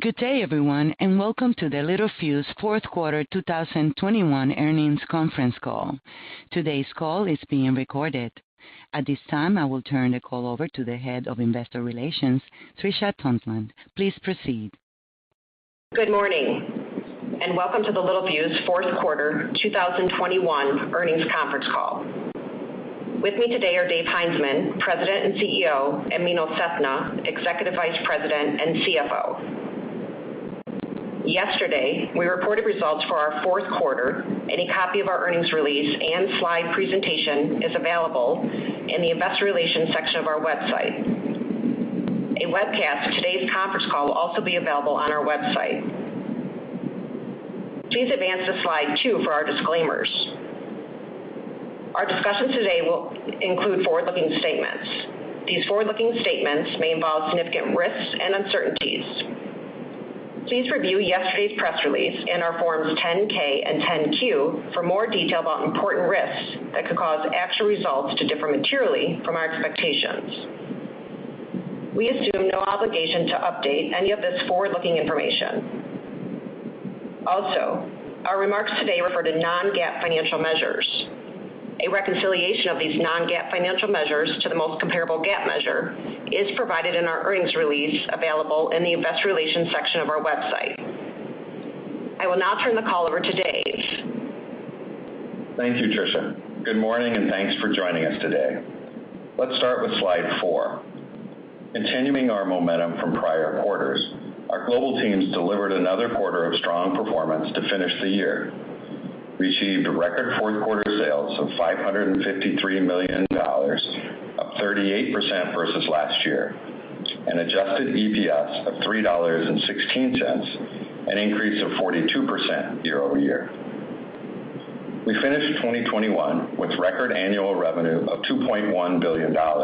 Good day, everyone, and welcome to the Littelfuse Q4 2021 Earnings Conference Call. Today's call is being recorded. At this time, I will turn the call over to the Head of Investor Relations, Trisha Tuntland. Please proceed. Good morning, and welcome to the Littelfuse Q4 2021 Earnings Conference Call. With me today are Dave Heinzmann, President and CEO, and Meenal Sethna, Executive Vice President and CFO. Yesterday, we reported results for our Q4, and a copy of our earnings release and slide presentation is available in the investor relations section of our website. A webcast of today's conference call will also be available on our website. Please advance to slide two for our disclaimers. Our discussion today will include forward-looking statements. These forward-looking statements may involve significant risks and uncertainties. Please review yesterday's press release and our Forms 10-K and 10-Q for more detail about important risks that could cause actual results to differ materially from our expectations. We assume no obligation to update any of this forward-looking information. Also, our remarks today refer to non-GAAP financial measures. A reconciliation of these non-GAAP financial measures to the most comparable GAAP measure is provided in our earnings release available in the investor relations section of our website. I will now turn the call over to Dave. Thank you, Trisha. Good morning, and thanks for joining us today. Let's start with slide four. Continuing our momentum from prior quarters, our global teams delivered another quarter of strong performance to finish the year. We achieved record Q4 sales of $553 million, up 38% versus last year, and adjusted EPS of $3.16, an increase of 42% year-over-year. We finished 2021 with record annual revenue of $2.1 billion, up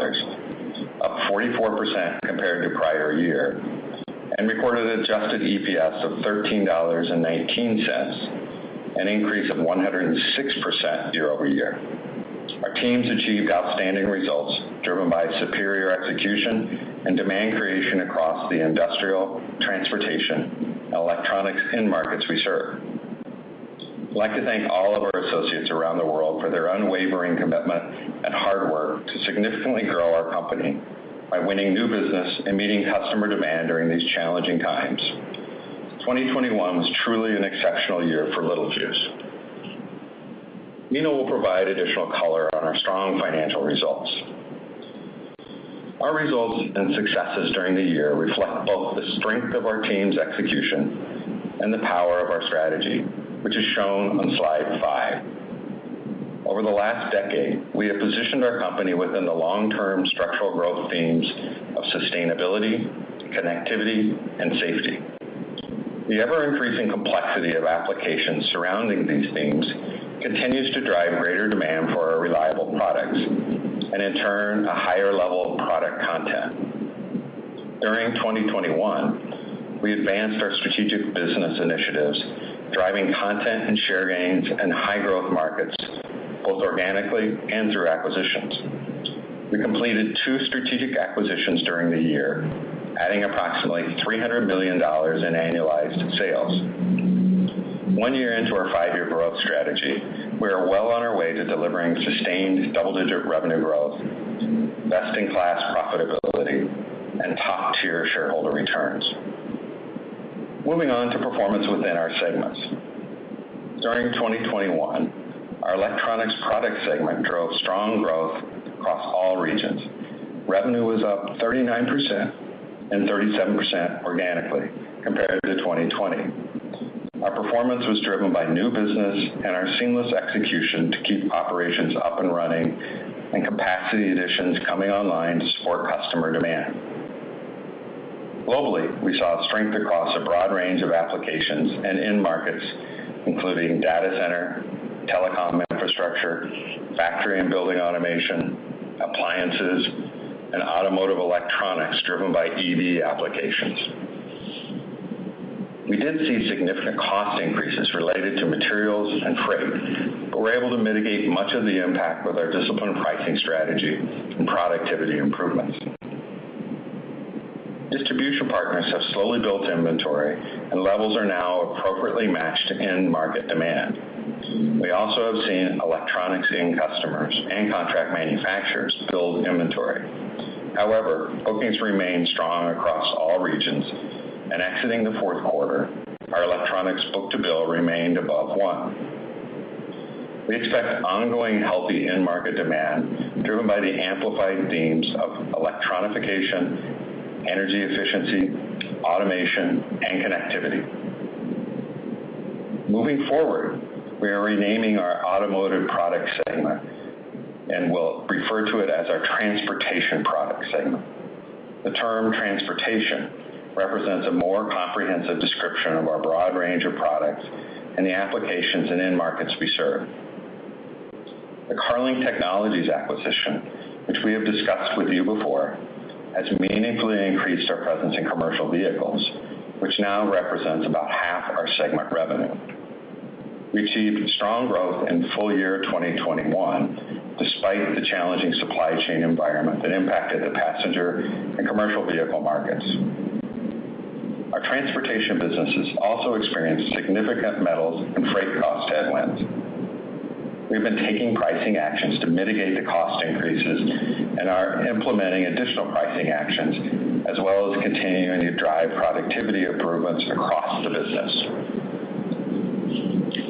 44% compared to prior year, and recorded adjusted EPS of $13.19, an increase of 106% year-over-year. Our teams achieved outstanding results driven by superior execution and demand creation across the Industrial, Transportation, and Electronics end markets we serve. I'd like to thank all of our associates around the world for their unwavering commitment and hard work to significantly grow our company by winning new business and meeting customer demand during these challenging times. 2021 was truly an exceptional year for Littelfuse. Meenal will provide additional color on our strong financial results. Our results and successes during the year reflect both the strength of our team's execution and the power of our strategy, which is shown on slide five. Over the last decade, we have positioned our company within the long-term structural growth themes of sustainability, connectivity, and safety. The ever-increasing complexity of applications surrounding these themes continues to drive greater demand for our reliable products, and in turn, a higher level of product content. During 2021, we advanced our strategic business initiatives, driving content and share gains in high-growth markets, both organically and through acquisitions. We completed two strategic acquisitions during the year, adding approximately $300 million in annualized sales. One year into our five-year growth strategy, we are well on our way to delivering sustained double-digit revenue growth, best-in-class profitability, and top-tier shareholder returns. Moving on to performance within our segments. During 2021, our electronics product segment drove strong growth across all regions. Revenue was up 39% and 37% organically compared to 2020. Our performance was driven by new business and our seamless execution to keep operations up and running and capacity additions coming online to support customer demand. Globally, we saw strength across a broad range of applications and end markets, including data center, telecom infrastructure, factory and building automation, appliances, and automotive electronics driven by EV applications. We did see significant cost increases related to materials and freight, but we're able to mitigate much of the impact with our disciplined pricing strategy and productivity improvements. Distribution partners have slowly built inventory, and levels are now appropriately matched to end market demand. We also have seen electronics end customers and contract manufacturers build inventory. However, bookings remain strong across all regions, and exiting the Q4, our electronics book-to-bill remained above one. We expect ongoing healthy end market demand driven by the amplified themes of electronification, energy efficiency, automation, and connectivity. Moving forward, we are renaming our automotive product segment, and we'll refer to it as our transportation product segment. The term transportation represents a more comprehensive description of our broad range of products and the applications and end markets we serve. The Carling Technologies acquisition, which we have discussed with you before, has meaningfully increased our presence in commercial vehicles, which now represents about half of our segment revenue. We achieved strong growth in full year 2021 despite the challenging supply chain environment that impacted the passenger and commercial vehicle markets. Our transportation businesses also experienced significant metals and freight cost headwinds. We've been taking pricing actions to mitigate the cost increases and are implementing additional pricing actions as well as continuing to drive productivity improvements across the business.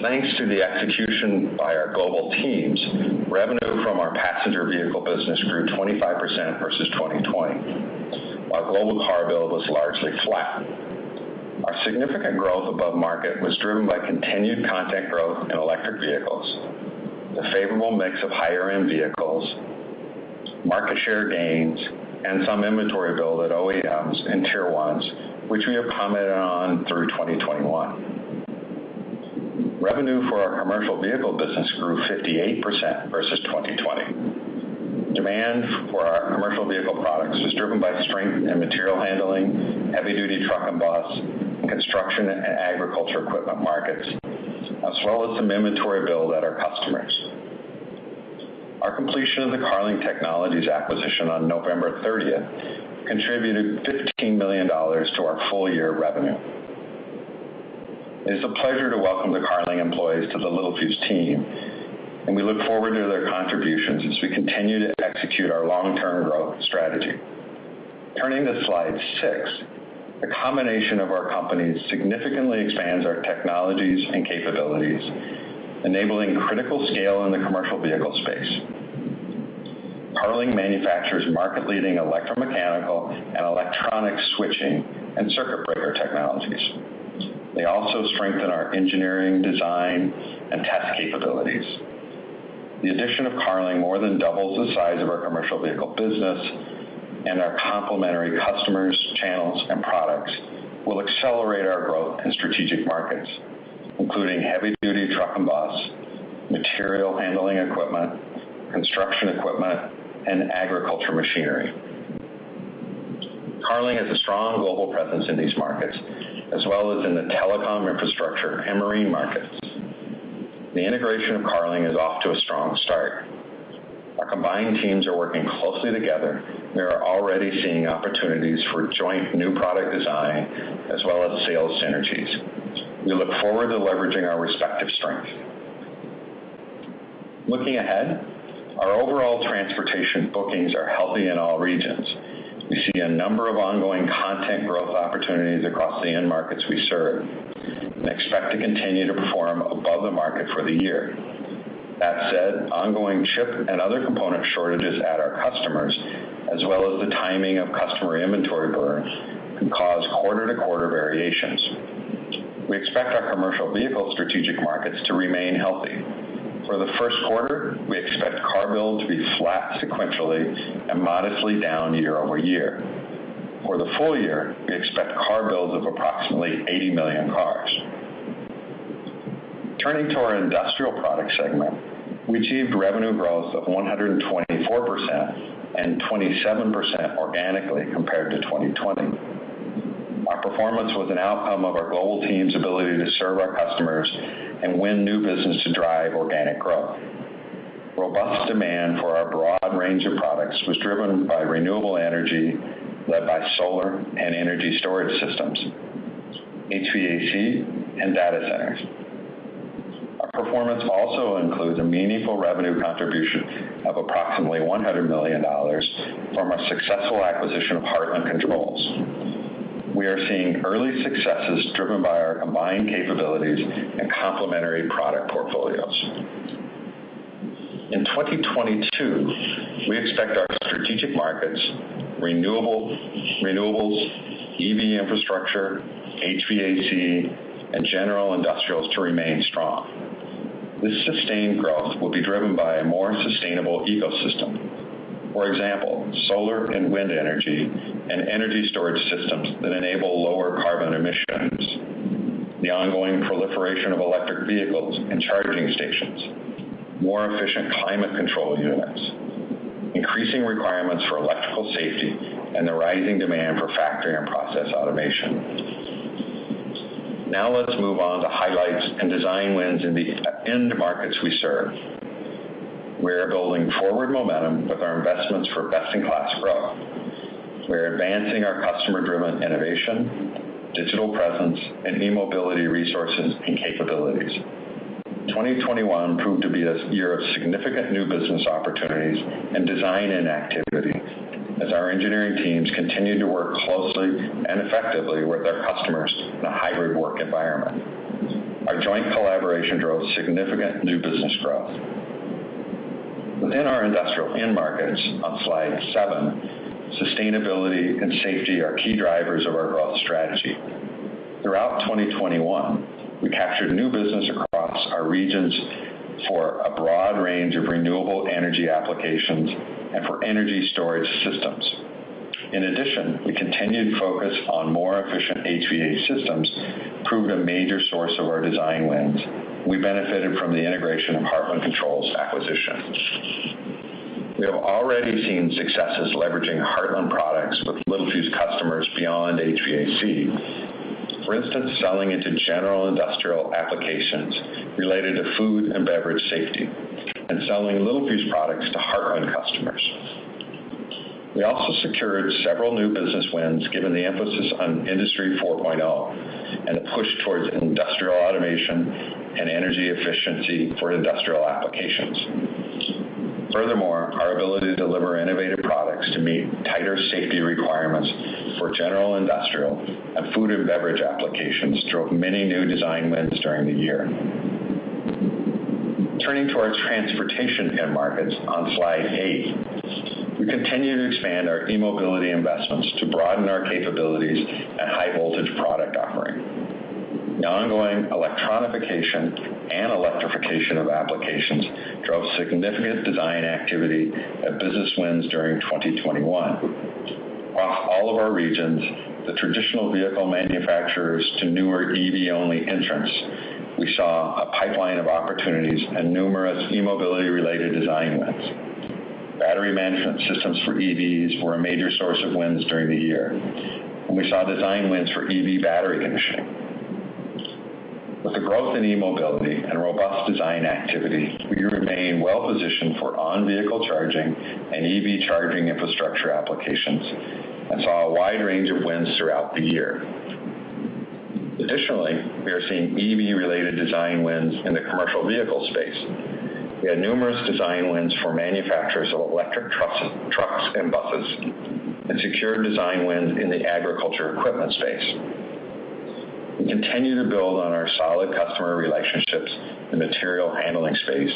Thanks to the execution by our global teams, revenue from our passenger vehicle business grew 25% versus 2020, while global car build was largely flat. Our significant growth above market was driven by continued content growth in electric vehicles, the favorable mix of higher-end vehicles, market share gains, and some inventory build at OEMs and Tier 1s, which we have commented on through 2021. Revenue for our commercial vehicle business grew 58% versus 2020. Demand for our commercial vehicle products was driven by strength in material handling, heavy-duty truck and bus, construction, and agriculture equipment markets, as well as some inventory build at our customers. Our completion of the Carling Technologies acquisition on November 30th contributed $15 million to our full year revenue. It's a pleasure to welcome the Carling employees to the Littelfuse team, and we look forward to their contributions as we continue to execute our long-term growth strategy. Turning to slide six. The combination of our companies significantly expands our technologies and capabilities, enabling critical scale in the commercial vehicle space. Carling manufactures market-leading electromechanical and electronic switching and circuit breaker technologies. They also strengthen our engineering, design, and test capabilities. The addition of Carling more than doubles the size of our commercial vehicle business, and our complementary customers, channels, and products will accelerate our growth in strategic markets, including heavy-duty truck and bus, material handling equipment, construction equipment, and agriculture machinery. Carling has a strong global presence in these markets as well as in the telecom infrastructure and marine markets. The integration of Carling is off to a strong start. Our combined teams are working closely together. They are already seeing opportunities for joint new product design as well as sales synergies. We look forward to leveraging our respective strengths. Looking ahead, our overall transportation bookings are healthy in all regions. We see a number of ongoing content growth opportunities across the end markets we serve and expect to continue to perform above the market for the year. That said, ongoing chip and other component shortages at our customers as well as the timing of customer inventory burns can cause quarter-to-quarter variations. We expect our commercial vehicle strategic markets to remain healthy. For the Q1, we expect car build to be flat sequentially and modestly down year over year. For the full year, we expect car builds of approximately 80 million cars. Turning to our Industrial Products segment. We achieved revenue growth of 124% and 27% organically compared to 2020. Our performance was an outcome of our global team's ability to serve our customers and win new business to drive organic growth. Robust demand for our broad range of products was driven by renewable energy, led by solar and energy storage systems, HVAC, and data centers. Our performance also includes a meaningful revenue contribution of approximately $100 million from our successful acquisition of Hartland Controls. We are seeing early successes driven by our combined capabilities and complementary product portfolios. In 2022, we expect our strategic markets, renewables, EV infrastructure, HVAC, and general industrials to remain strong. This sustained growth will be driven by a more sustainable ecosystem. For example, solar and wind energy and energy storage systems that enable lower carbon emissions, the ongoing proliferation of electric vehicles and charging stations, more efficient climate control units, increasing requirements for electrical safety, and the rising demand for factory and process automation. Now let's move on to highlights and design wins in the end markets we serve. We are building forward momentum with our investments for best-in-class growth. We're advancing our customer-driven innovation, digital presence, and e-mobility resources and capabilities. 2021 proved to be a year of significant new business opportunities and design-in activity as our engineering teams continued to work closely and effectively with their customers in a hybrid work environment. Our joint collaboration drove significant new business growth. Within our industrial end markets, on slide seven, sustainability and safety are key drivers of our growth strategy. Throughout 2021, we captured new business across our regions for a broad range of renewable energy applications and for energy storage systems. In addition, the continued focus on more efficient HVAC systems proved a major source of our design wins. We benefited from the integration of Hartland Controls acquisition. We have already seen successes leveraging Hartland products with Littelfuse customers beyond HVAC. For instance, selling into general industrial applications related to food and beverage safety, and selling Littelfuse products to Hartland customers. We also secured several new business wins given the emphasis on Industry 4.0 and a push towards industrial automation and energy efficiency for industrial applications. Furthermore, our ability to deliver innovative products to meet tighter safety requirements for general industrial and food and beverage applications drove many new design wins during the year. Turning to our transportation end markets on slide eight, we continue to expand our e-mobility investments to broaden our capabilities and high voltage product offering. The ongoing electronification and electrification of applications drove significant design activity and business wins during 2021. Across all of our regions, the traditional vehicle manufacturers to newer EV-only entrants, we saw a pipeline of opportunities and numerous e-mobility-related design wins. Battery management systems for EVs were a major source of wins during the year, and we saw design wins for EV battery conditioning. With the growth in e-mobility and robust design activity, we remain well-positioned for on-vehicle charging and EV charging infrastructure applications, and saw a wide range of wins throughout the year. Additionally, we are seeing EV-related design wins in the commercial vehicle space. We had numerous design wins for manufacturers of electric trucks and buses, and secured design wins in the agricultural equipment space. We continue to build on our solid customer relationships in the material handling space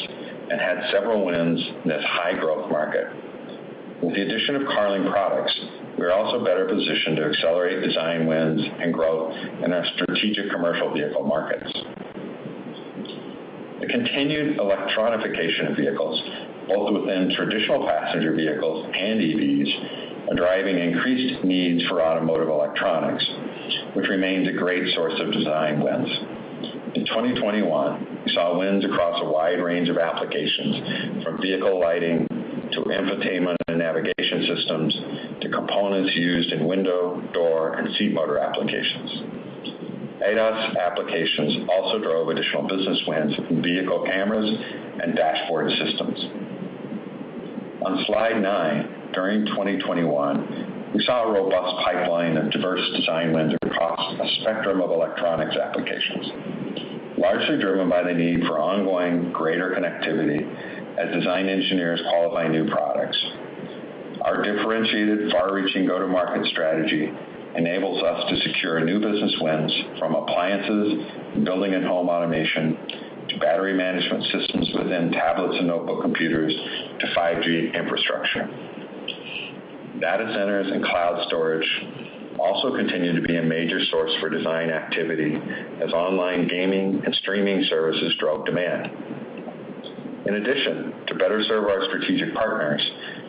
and had several wins in this high-growth market. With the addition of Carling products, we are also better positioned to accelerate design wins and growth in our strategic commercial vehicle markets. The continued electronification of vehicles, both within traditional passenger vehicles and EVs, are driving increased needs for automotive electronics, which remains a great source of design wins. In 2021, we saw wins across a wide range of applications from vehicle lighting to infotainment and navigation systems, to components used in window, door, and seat motor applications. ADAS applications also drove additional business wins in vehicle cameras and dashboard systems. On slide nine, during 2021, we saw a robust pipeline of diverse design wins across a spectrum of electronics applications, largely driven by the need for ongoing greater connectivity as design engineers qualify new products. Our differentiated, far-reaching go-to-market strategy enables us to secure new business wins from appliances, building and home automation, to battery management systems within tablets and notebook computers, to 5G infrastructure. Data centers and cloud storage also continue to be a major source for design activity as online gaming and streaming services drove demand. In addition, to better serve our strategic partners,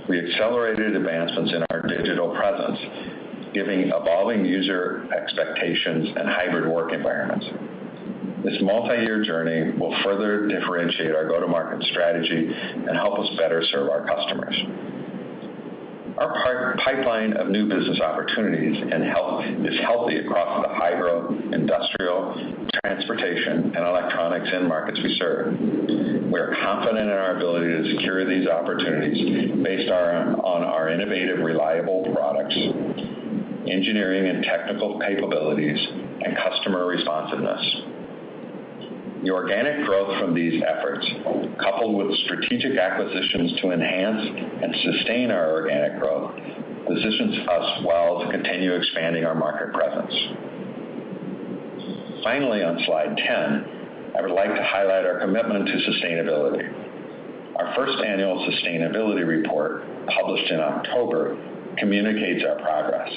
we accelerated advancements in our digital presence, given evolving user expectations and hybrid work environments. This multi-year journey will further differentiate our go-to-market strategy and help us better serve our customers. Our pipeline of new business opportunities and health is healthy across the high-growth industrial, transportation, and electronics end markets we serve. We are confident in our ability to secure these opportunities based on our innovative, reliable products, engineering and technical capabilities, and customer responsiveness. The organic growth from these efforts, coupled with strategic acquisitions to enhance and sustain our organic growth, positions us well to continue expanding our market presence. Finally, on slide 10, I would like to highlight our commitment to sustainability. Our first annual sustainability report, published in October, communicates our progress.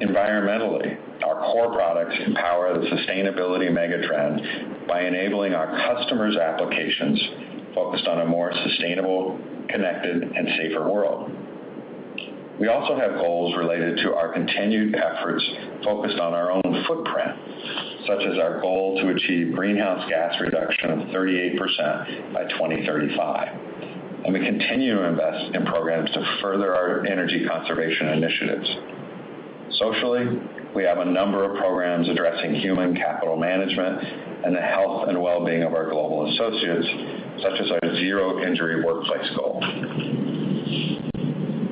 Environmentally, our core products empower the sustainability mega-trend by enabling our customers' applications focused on a more sustainable, connected, and safer world. We also have goals related to our continued efforts focused on our own footprint, such as our goal to achieve greenhouse gas reduction of 38% by 2035, and we continue to invest in programs to further our energy conservation initiatives. Socially, we have a number of programs addressing human capital management and the health and well-being of our global associates, such as our zero injury workplace goal.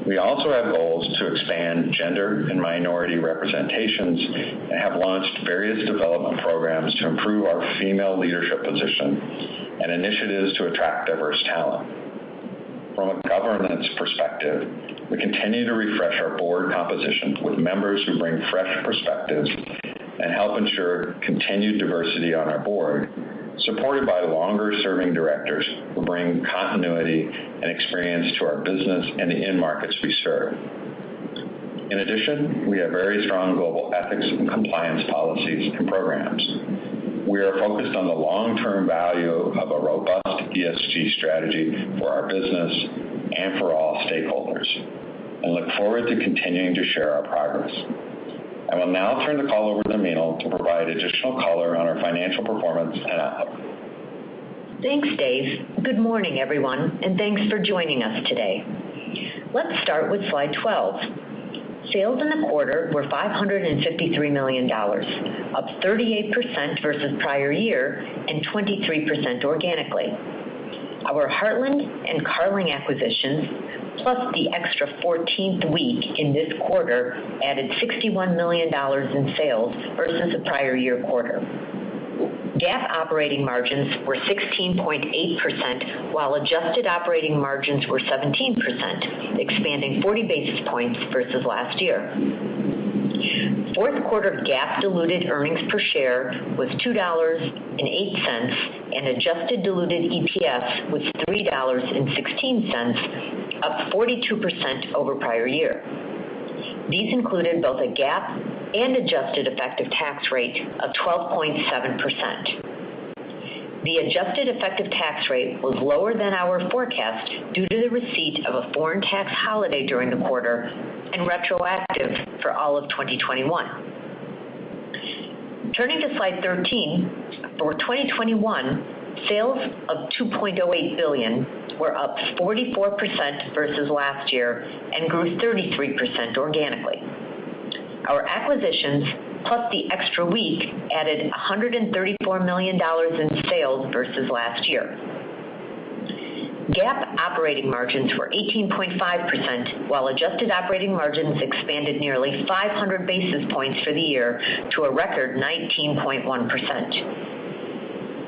We also have goals to expand gender and minority representations, and have launched various development programs to improve our female leadership position and initiatives to attract diverse talent. From a governance perspective, we continue to refresh our board composition with members who bring fresh perspectives and help ensure continued diversity on our board, supported by longer-serving directors who bring continuity and experience to our business and the end markets we serve. In addition, we have very strong global ethics and compliance policies and programs. We are focused on the long-term value of a robust ESG strategy for our business and for stakeholders and look forward to continuing to share our progress. I will now turn the call over to Meenal to provide additional color on our financial performance and outlook. Thanks, Dave. Good morning, everyone, and thanks for joining us today. Let's start with slide 12. Sales in the quarter were $553 million, up 38% versus prior year and 23% organically. Our Hartland and Carling acquisitions, plus the extra 14th week in this quarter, added $61 million in sales versus the prior year quarter. GAAP operating margins were 16.8%, while adjusted operating margins were 17%, expanding 40 basis points versus last year. Q4 GAAP diluted earnings per share was $2.08, and adjusted diluted EPS was $3.16, up 42% over prior year. These included both a GAAP and adjusted effective tax rate of 12.7%. The adjusted effective tax rate was lower than our forecast due to the receipt of a foreign tax holiday during the quarter and retroactive for all of 2021. Turning to slide 13, for 2021, sales of $2.08 billion were up 44% versus last year and grew 33% organically. Our acquisitions, plus the extra week, added $134 million in sales versus last year. GAAP operating margins were 18.5%, while adjusted operating margins expanded nearly 500 basis points for the year to a record 19.1%.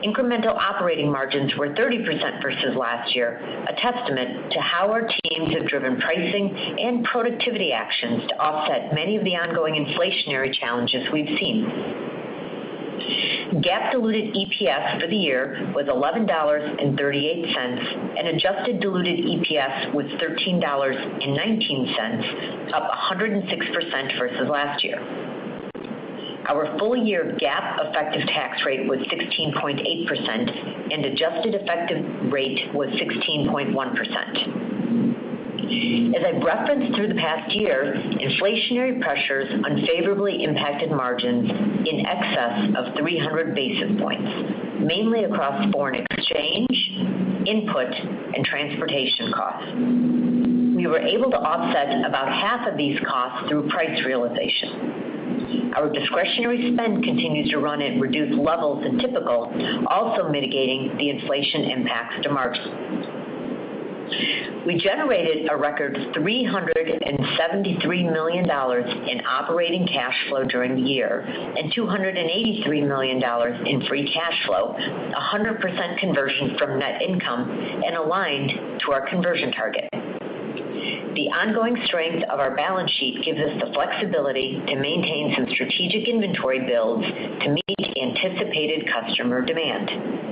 Incremental operating margins were 30% versus last year. A testament to how our teams have driven pricing and productivity actions to offset many of the ongoing inflationary challenges we've seen. GAAP diluted EPS for the year was $11.38, and adjusted diluted EPS was $13.19, up 106% versus last year. Our full year GAAP effective tax rate was 16.8% and adjusted effective rate was 16.1%. As I've referenced through the past year, inflationary pressures unfavorably impacted margins in excess of 300 basis points, mainly across foreign exchange, input, and transportation costs. We were able to offset about half of these costs through price realization. Our discretionary spend continues to run at reduced levels than typical, also mitigating the inflation impacts to margins. We generated a record $373 million in operating cash flow during the year, and $283 million in free cash flow, 100% conversion from net income and aligned to our conversion target. The ongoing strength of our balance sheet gives us the flexibility to maintain some strategic inventory builds to meet anticipated customer demand.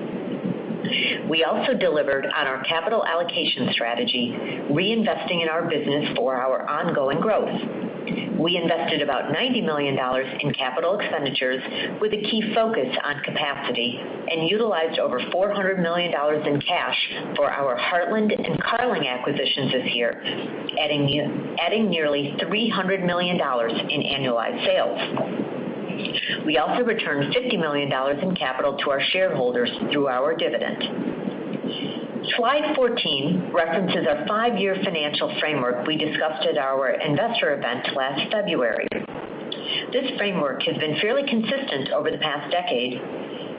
We also delivered on our capital allocation strategy, reinvesting in our business for our ongoing growth. We invested about $90 million in capital expenditures with a key focus on capacity, and utilized over $400 million in cash for our Heartland and Carling acquisitions this year, adding nearly $300 million in annualized sales. We also returned $50 million in capital to our shareholders through our dividend. Slide 14 references our five-year financial framework we discussed at our investor event last February. This framework has been fairly consistent over the past decade,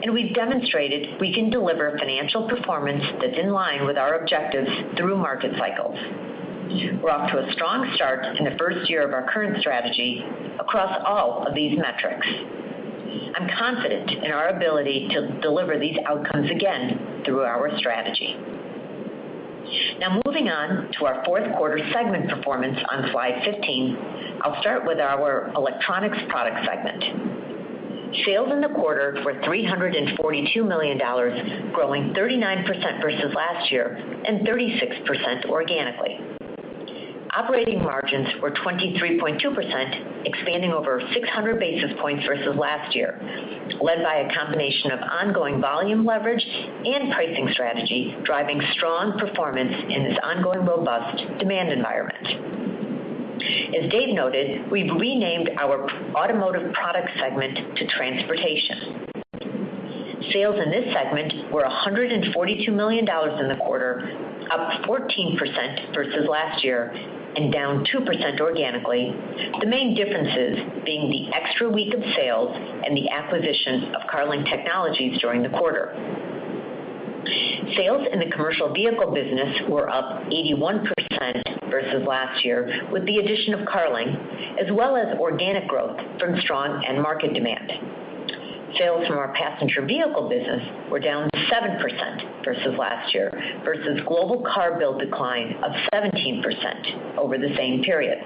and we've demonstrated we can deliver financial performance that's in line with our objectives through market cycles. We're off to a strong start in the first year of our current strategy across all of these metrics. I'm confident in our ability to deliver these outcomes again through our strategy. Now, moving on to our Q4 segment performance on slide 15, I'll start with our electronics product segment. Sales in the quarter were $342 million, growing 39% versus last year and 36% organically. Operating margins were 23.2%, expanding over 600 basis points versus last year, led by a combination of ongoing volume leverage and pricing strategy, driving strong performance in this ongoing robust demand environment. As Dave noted, we've renamed our automotive products segment to Transportation. Sales in this segment were $142 million in the quarter, up 14% versus last year and down 2% organically. The main differences being the extra week of sales and the acquisition of Carling Technologies during the quarter. Sales in the commercial vehicle business were up 81% versus last year, with the addition of Carling as well as organic growth from strong end market demand. Sales from our passenger vehicle business were down 7% versus last year versus global car build decline of 17% over the same period.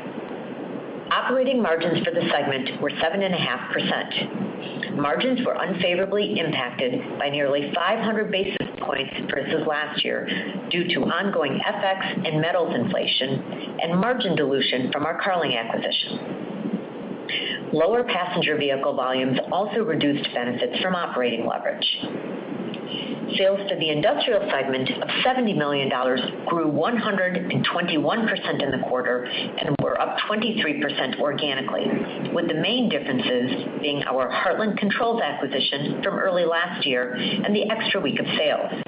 Operating margins for the segment were 7.5%. Margins were unfavorably impacted by nearly 500 basis points versus last year due to ongoing FX and metals inflation and margin dilution from our Carling acquisition. Lower passenger vehicle volumes also reduced benefits from operating leverage. Sales to the Industrial segment of $70 million grew 121% in the quarter and were up 23% organically, with the main differences being our Hartland Controls acquisition from early last year and the extra week of sales.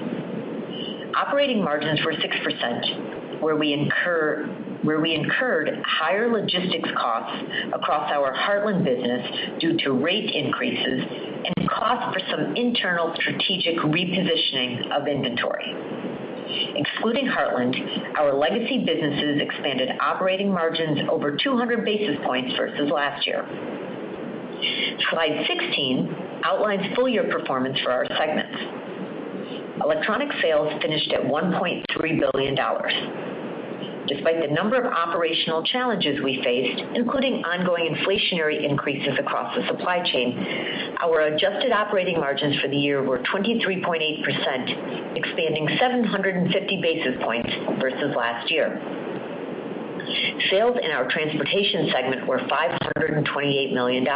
Operating margins were 6%, where we incurred higher logistics costs across our Hartland business due to rate increases and costs for some internal strategic repositioning of inventory. Excluding Hartland, our legacy businesses expanded operating margins over 200 basis points versus last year. Slide 16 outlines full-year performance for our segments. Electronics sales finished at $1.3 billion. Despite the number of operational challenges we faced, including ongoing inflationary increases across the supply chain, our adjusted operating margins for the year were 23.8%, expanding 750 basis points versus last year. Sales in our transportation segment were $528 million.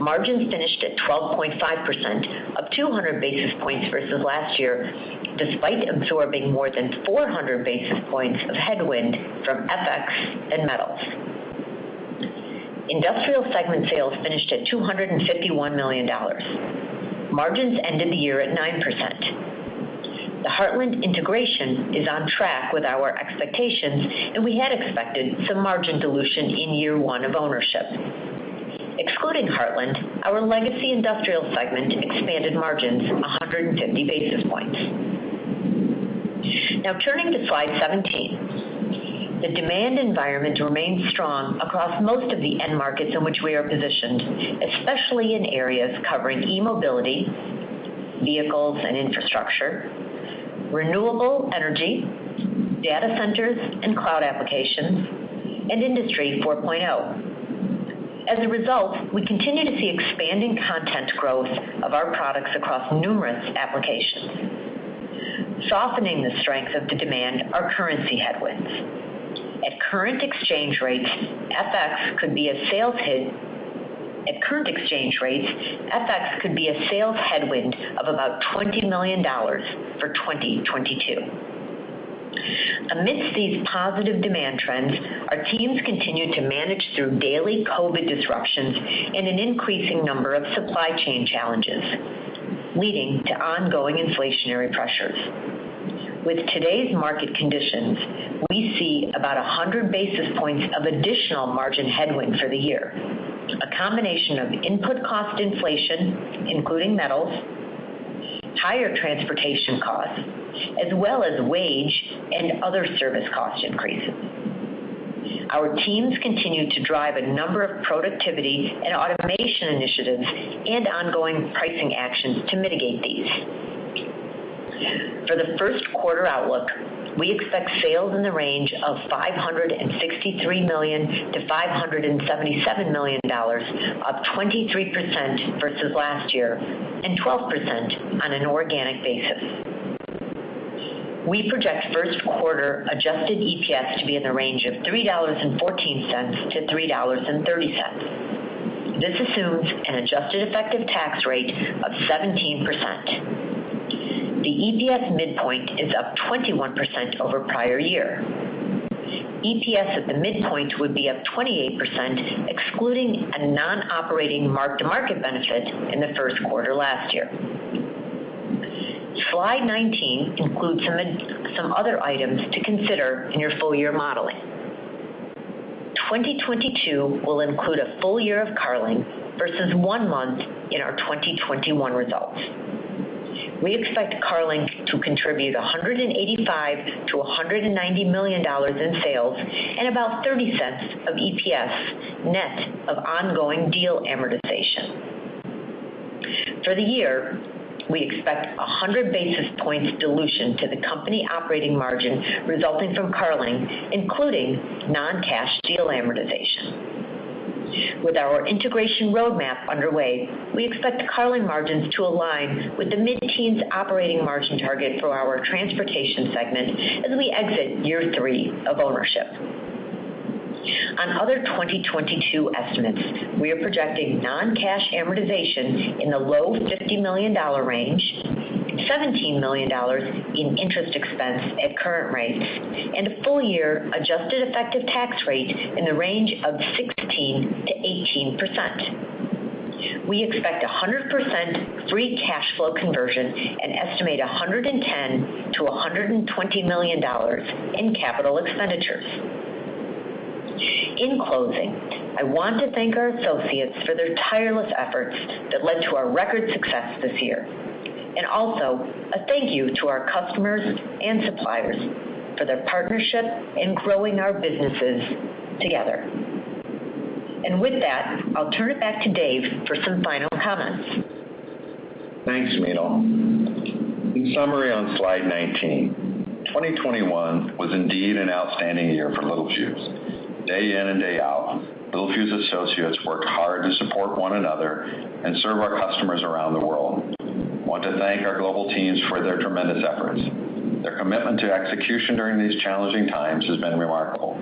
Margins finished at 12.5%, up 200 basis points versus last year, despite absorbing more than 400 basis points of headwind from FX and metals. Industrial segment sales finished at $251 million. Margins ended the year at 9%. The Heartland integration is on track with our expectations, and we had expected some margin dilution in year one of ownership. Excluding Heartland, our legacy industrial segment expanded margins 150 basis points. Now turning to slide 17. The demand environment remains strong across most of the end markets in which we are positioned, especially in areas covering e-mobility, vehicles and infrastructure, renewable energy, data centers and cloud applications, and Industry 4.0. As a result, we continue to see expanding content growth of our products across numerous applications. Softening the strength of the demand are currency headwinds. At current exchange rates, FX could be a sales headwind of about $20 million for 2022. Amidst these positive demand trends, our teams continued to manage through daily COVID disruptions and an increasing number of supply chain challenges, leading to ongoing inflationary pressures. With today's market conditions, we see about 100 basis points of additional margin headwind for the year, a combination of input cost inflation, including metals, higher transportation costs, as well as wage and other service cost increases. Our teams continued to drive a number of productivity and automation initiatives and ongoing pricing actions to mitigate these. For the Q1 outlook, we expect sales in the range of $563 million to $577 million, up 23% versus last year and 12% on an organic basis. We project Q1 adjusted EPS to be in the range of $3.14 to $3.30. This assumes an adjusted effective tax rate of 17%. The EPS midpoint is up 21% over prior year. EPS at the midpoint would be up 28%, excluding a non-operating mark-to-market benefit in the Q1 last year. Slide 19 includes some other items to consider in your full year modeling. 2022 will include a full year of Carling versus one month in our 2021 results. We expect Carling to contribute $185 million to $190 million in sales and about 30 cents of EPS net of ongoing deal amortization. For the year, we expect 100 basis points dilution to the company operating margin resulting from Carling, including non-cash deal amortization. With our integration roadmap underway, we expect Carling margins to align with the mid-teens operating margin target for our transportation segment as we exit year three of ownership. On other 2022 estimates, we are projecting non-cash amortization in the low $50 million range, $17 million in interest expense at current rates, and a full-year adjusted effective tax rate in the range of 16% to 18%. We expect 100% free cash flow conversion and estimate $110 million to $120 million in capital expenditures. In closing, I want to thank our associates for their tireless efforts that led to our record success this year, and also a thank you to our customers and suppliers for their partnership in growing our businesses together. With that, I'll turn it back to Dave for some final comments. Thanks, Meenal. In summary on slide 19, 2021 was indeed an outstanding year for Littelfuse. Day in and day out, Littelfuse associates work hard to support one another and serve our customers around the world. want to thank our global teams for their tremendous efforts. Their commitment to execution during these challenging times has been remarkable.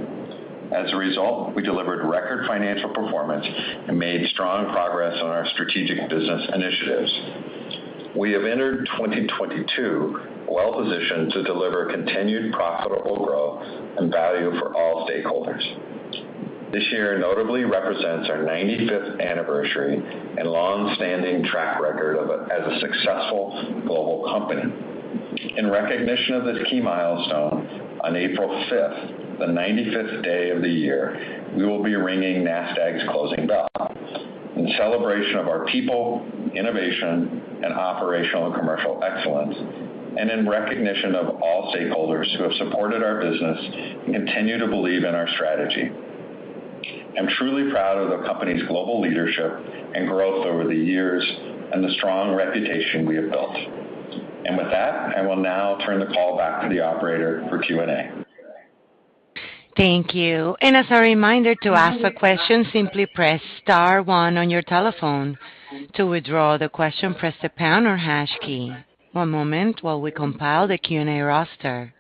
As a result, we delivered record financial performance and made strong progress on our strategic business initiatives. We have entered 2022 well positioned to deliver continued profitable growth and value for all stakeholders. This year notably represents our 95th anniversary and long-standing track record as a successful global company. In recognition of this key milestone, on April 5th, the 95th day of the year, we will be ringing Nasdaq's closing bell in celebration of our people, innovation, and operational and commercial excellence, and in recognition of all stakeholders who have supported our business and continue to believe in our strategy. I'm truly proud of the company's global leadership and growth over the years and the strong reputation we have built. With that, I will now turn the call back to the operator for Q&A. Thank you. As a reminder, to ask a question, simply press star one on your telephone. To withdraw the question, press the pound or hash key. One moment while we compile the Q&A roster.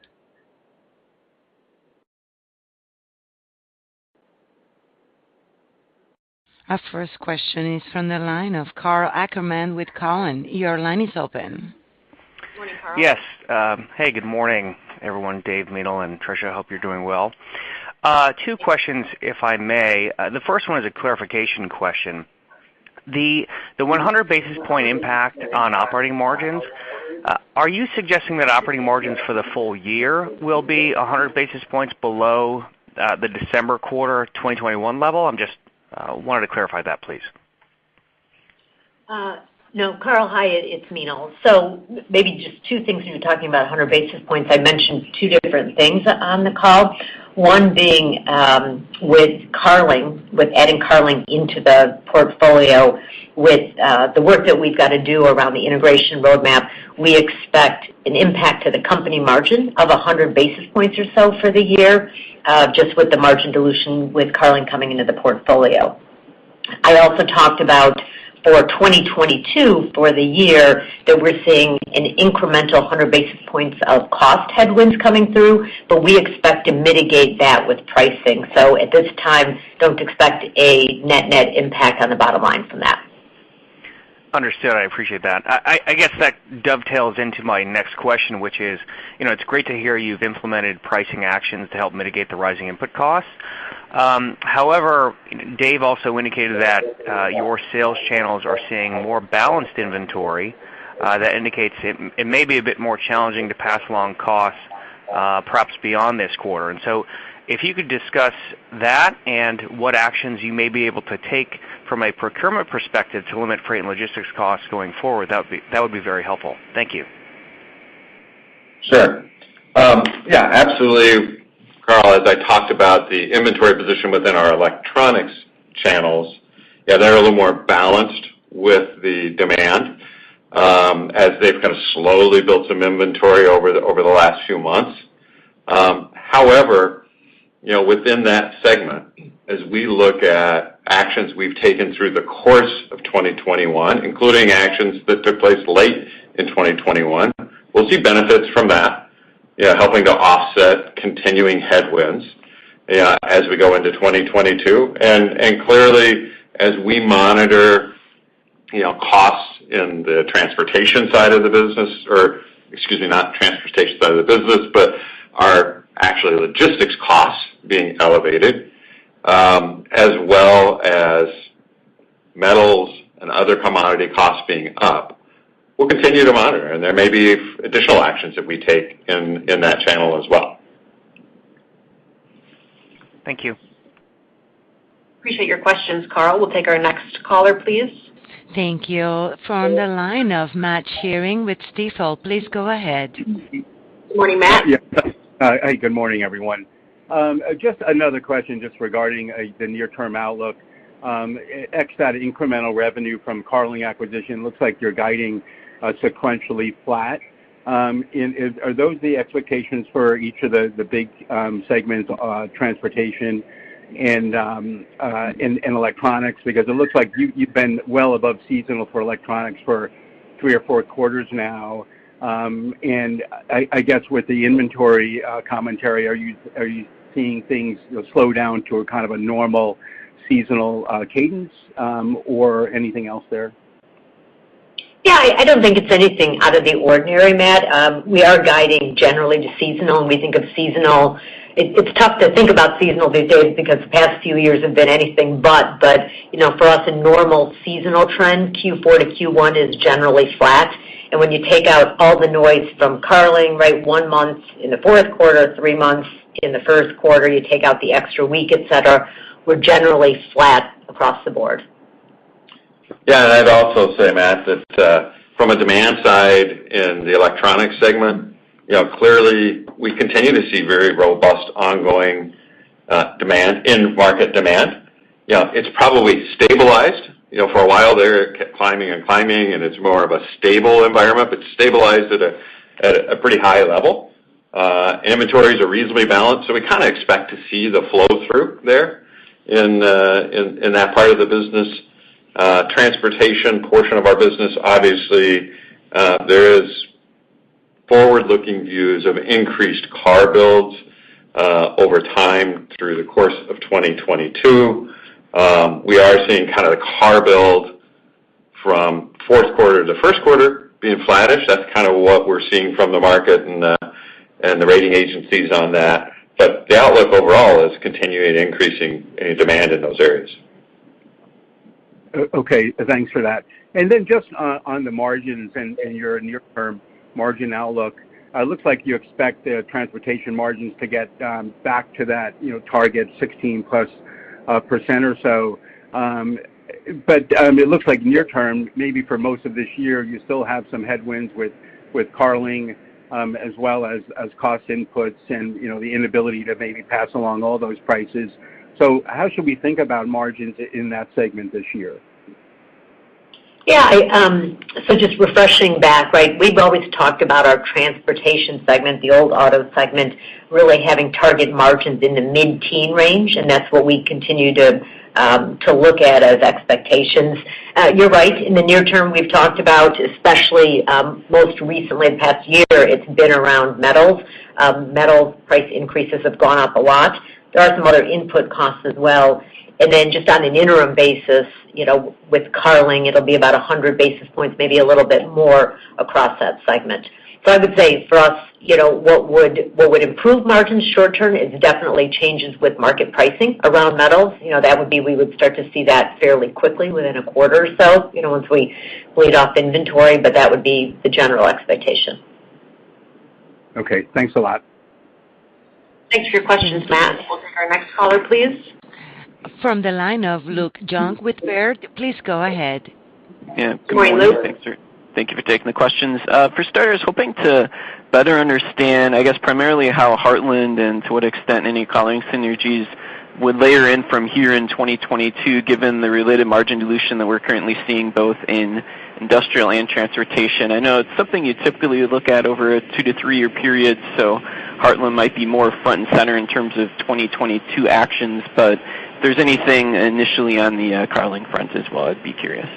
Our first question is from the line of Karl Ackerman with TD Cowen. Your line is open. Good morning, Karl. Yes. Hey, good morning, everyone. Meenal Sethna and Trisha, I hope you're doing well. Two questions, if I may. The first one is a clarification question. The 100 basis point impact on operating margins, are you suggesting that operating margins for the full year will be 100 basis points below the December quarter of 2021 level? I just wanted to clarify that, please. No. Karl, hi, it's Meenal. Maybe just two things you were talking about, 100 basis points. I mentioned two different things on the call. One being with Carling, with adding Carling into the portfolio, with the work that we've got to do around the integration roadmap, we expect an impact to the company margin of 100 basis points or so for the year, just with the margin dilution with Carling coming into the portfolio. I also talked about for 2022 for the year that we're seeing an incremental 100 basis points of cost headwinds coming through, but we expect to mitigate that with pricing. At this time, don't expect a net-net impact on the bottom line from that. Understood. I appreciate that. I guess that dovetails into my next question, which is, you know, it's great to hear you've implemented pricing actions to help mitigate the rising input costs. However, Dave also indicated that your sales channels are seeing more balanced inventory, that indicates it may be a bit more challenging to pass along costs, perhaps beyond this quarter. If you could discuss that and what actions you may be able to take from a procurement perspective to limit freight and logistics costs going forward, that would be very helpful. Thank you. Sure. Yeah, absolutely, Karl. As I talked about the inventory position within our electronics channels, they're a little more balanced with the demand, as they've kind of slowly built some inventory over the last few months. However, you know, within that segment, as we look at actions we've taken through the course of 2021, including actions that took place late in 2021, we'll see benefits from that, you know, helping to offset continuing headwinds, you know, as we go into 2022. Clearly, as we monitor, you know, our actual logistics costs being elevated, as well as metals and other commodity costs being up, we'll continue to monitor. There may be additional actions that we take in that channel as well. Thank you. Appreciate your questions, Karl. We'll take our next caller, please. Thank you. From the line of Matt Sheerin with Stifel, please go ahead. Morning, Matt. Yeah. Hi. Good morning, everyone. Just another question regarding the near-term outlook. Ex that incremental revenue from Carling acquisition, looks like you're guiding sequentially flat. Are those the expectations for each of the big segments, transportation and electronics? Because it looks like you've been well above seasonal for electronics for three or four quarters now. I guess with the inventory commentary, are you seeing things you know slow down to a kind of a normal seasonal cadence, or anything else there? Yeah. I don't think it's anything out of the ordinary, Matt. We are guiding generally to seasonal, and we think of seasonal. It's tough to think about seasonal these days because the past few years have been anything but. You know, for us, a normal seasonal trend, Q4 to Q1 is generally flat. When you take out all the noise from Carling, right, one month in the Q4, three months in the Q1, you take out the extra week, et cetera, we're generally flat across the board. Yeah. I'd also say, Matt, that from a demand side in the electronic segment, you know, clearly we continue to see very robust ongoing demand in market demand. You know, it's probably stabilized. You know, for a while there it kept climbing and climbing, and it's more of a stable environment, but stabilized at a pretty high level. Inventories are reasonably balanced, so we kinda expect to see the flow-through there. In that part of the business, transportation portion of our business, obviously, there is forward-looking views of increased car builds over time through the course of 2022. We are seeing kind of the car build from Q4 to Q1 being flattish. That's kind of what we're seeing from the market and the rating agencies on that. The outlook overall is continuing to increase demand in those areas. Okay, thanks for that. Just on the margins and your near-term margin outlook, it looks like you expect the transportation margins to get back to that, you know, target 16%+ or so. It looks like near term, maybe for most of this year, you still have some headwinds with Carling as well as cost inputs and, you know, the inability to maybe pass along all those prices. How should we think about margins in that segment this year? Yeah. Just refreshing back, right, we've always talked about our transportation segment, the old auto segment, really having target margins in the mid-teen range, and that's what we continue to look at as expectations. You're right. In the near term, we've talked about, especially, most recently in the past year, it's been around metals. Metal price increases have gone up a lot. There are some other input costs as well. Then just on an interim basis, you know, with Carling, it'll be about 100 basis points, maybe a little bit more across that segment. I would say for us, you know, what would improve margins short term is definitely changes with market pricing around metals. You know, that would be. We would start to see that fairly quickly within a quarter or so, you know, once we laid off inventory, but that would be the general expectation. Okay. Thanks a lot. Thanks for your questions, Matt. We'll take our next caller, please. From the line of Luke Junk with Baird, please go ahead. Good morning, Luke. Yeah. Good morning. Thank you for taking the questions. I'm hoping to better understand, I guess, primarily how Heartland and to what extent any Carling synergies would layer in from here in 2022, given the related margin dilution that we're currently seeing both in industrial and transportation. I know it's something you typically look at over a two to three year period, so Heartland might be more front and center in terms of 2022 actions. If there's anything initially on the Carling front as well, I'd be curious.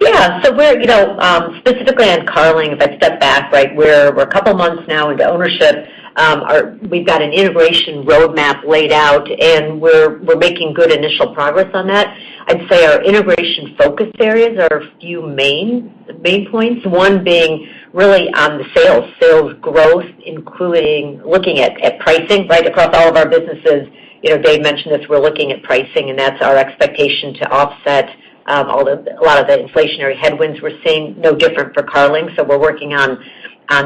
Yeah. We're, you know, specifically on Carling, if I step back, right, we're a couple months now into ownership. We've got an integration roadmap laid out, and we're making good initial progress on that. I'd say our integration focus areas are a few main points, one being really on the sales. Sales growth, including looking at pricing right across all of our businesses. You know, Dave mentioned this. We're looking at pricing, and that's our expectation to offset a lot of the inflationary headwinds we're seeing, no different for Carling, so we're working on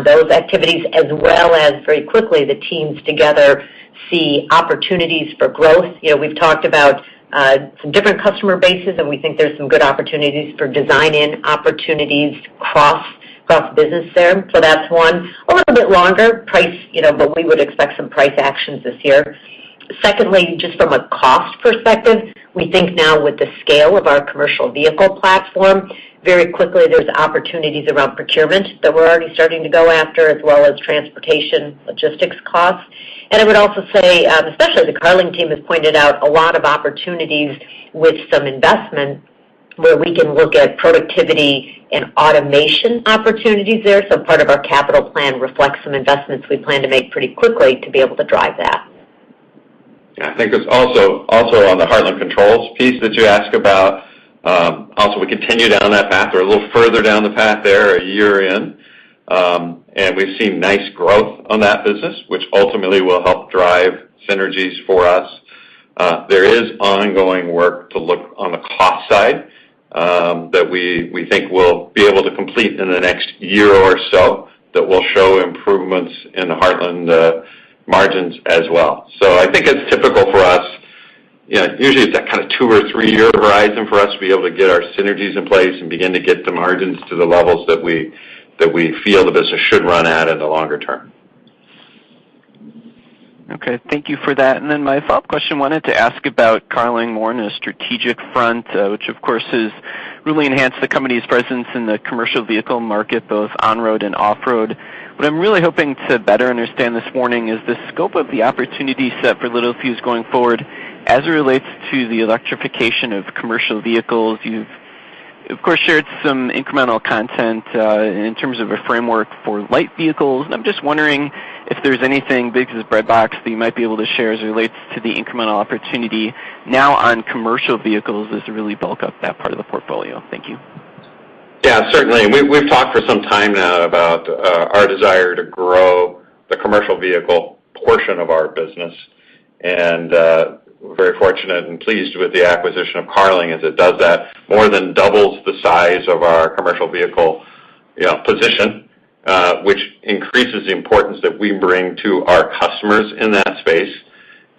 those activities. As well as very quickly, the teams together see opportunities for growth. You know, we've talked about some different customer bases, and we think there's some good opportunities for design in opportunities cross business there. That's one. A little bit longer price, you know, but we would expect some price actions this year. Secondly, just from a cost perspective, we think now with the scale of our commercial vehicle platform, very quickly there's opportunities around procurement that we're already starting to go after, as well as transportation logistics costs. I would also say, especially the Carling team has pointed out a lot of opportunities with some investment where we can look at productivity and automation opportunities there. Part of our capital plan reflects some investments we plan to make pretty quickly to be able to drive that. Yeah. I think it's also on the Hartland Controls piece that you asked about. We continue down that path a little further down the path there a year in. We've seen nice growth on that business, which ultimately will help drive synergies for us. There is ongoing work to look on the cost side that we think we'll be able to complete in the next year or so that will show improvements in the Hartland margins as well. I think it's typical for us. You know, usually it's that kind of two or three-year horizon for us to be able to get our synergies in place and begin to get the margins to the levels that we feel the business should run at in the longer term. Okay. Thank you for that. My follow-up question, wanted to ask about Carling more on a strategic front, which of course has really enhanced the company's presence in the commercial vehicle market, both on-road and off-road. What I'm really hoping to better understand this morning is the scope of the opportunity set for Littelfuse going forward as it relates to the electrification of commercial vehicles. You've, of course, shared some incremental content, in terms of a framework for light vehicles. I'm just wondering if there's anything big as a breadbox that you might be able to share as it relates to the incremental opportunity now on commercial vehicles as you really bulk up that part of the portfolio. Thank you. Yeah, certainly. We've talked for some time now about our desire to grow the commercial vehicle portion of our business. We're very fortunate and pleased with the acquisition of Carling as it does that. More than doubles the size of our commercial vehicle, you know, position, which increases the importance that we bring to our customers in that space.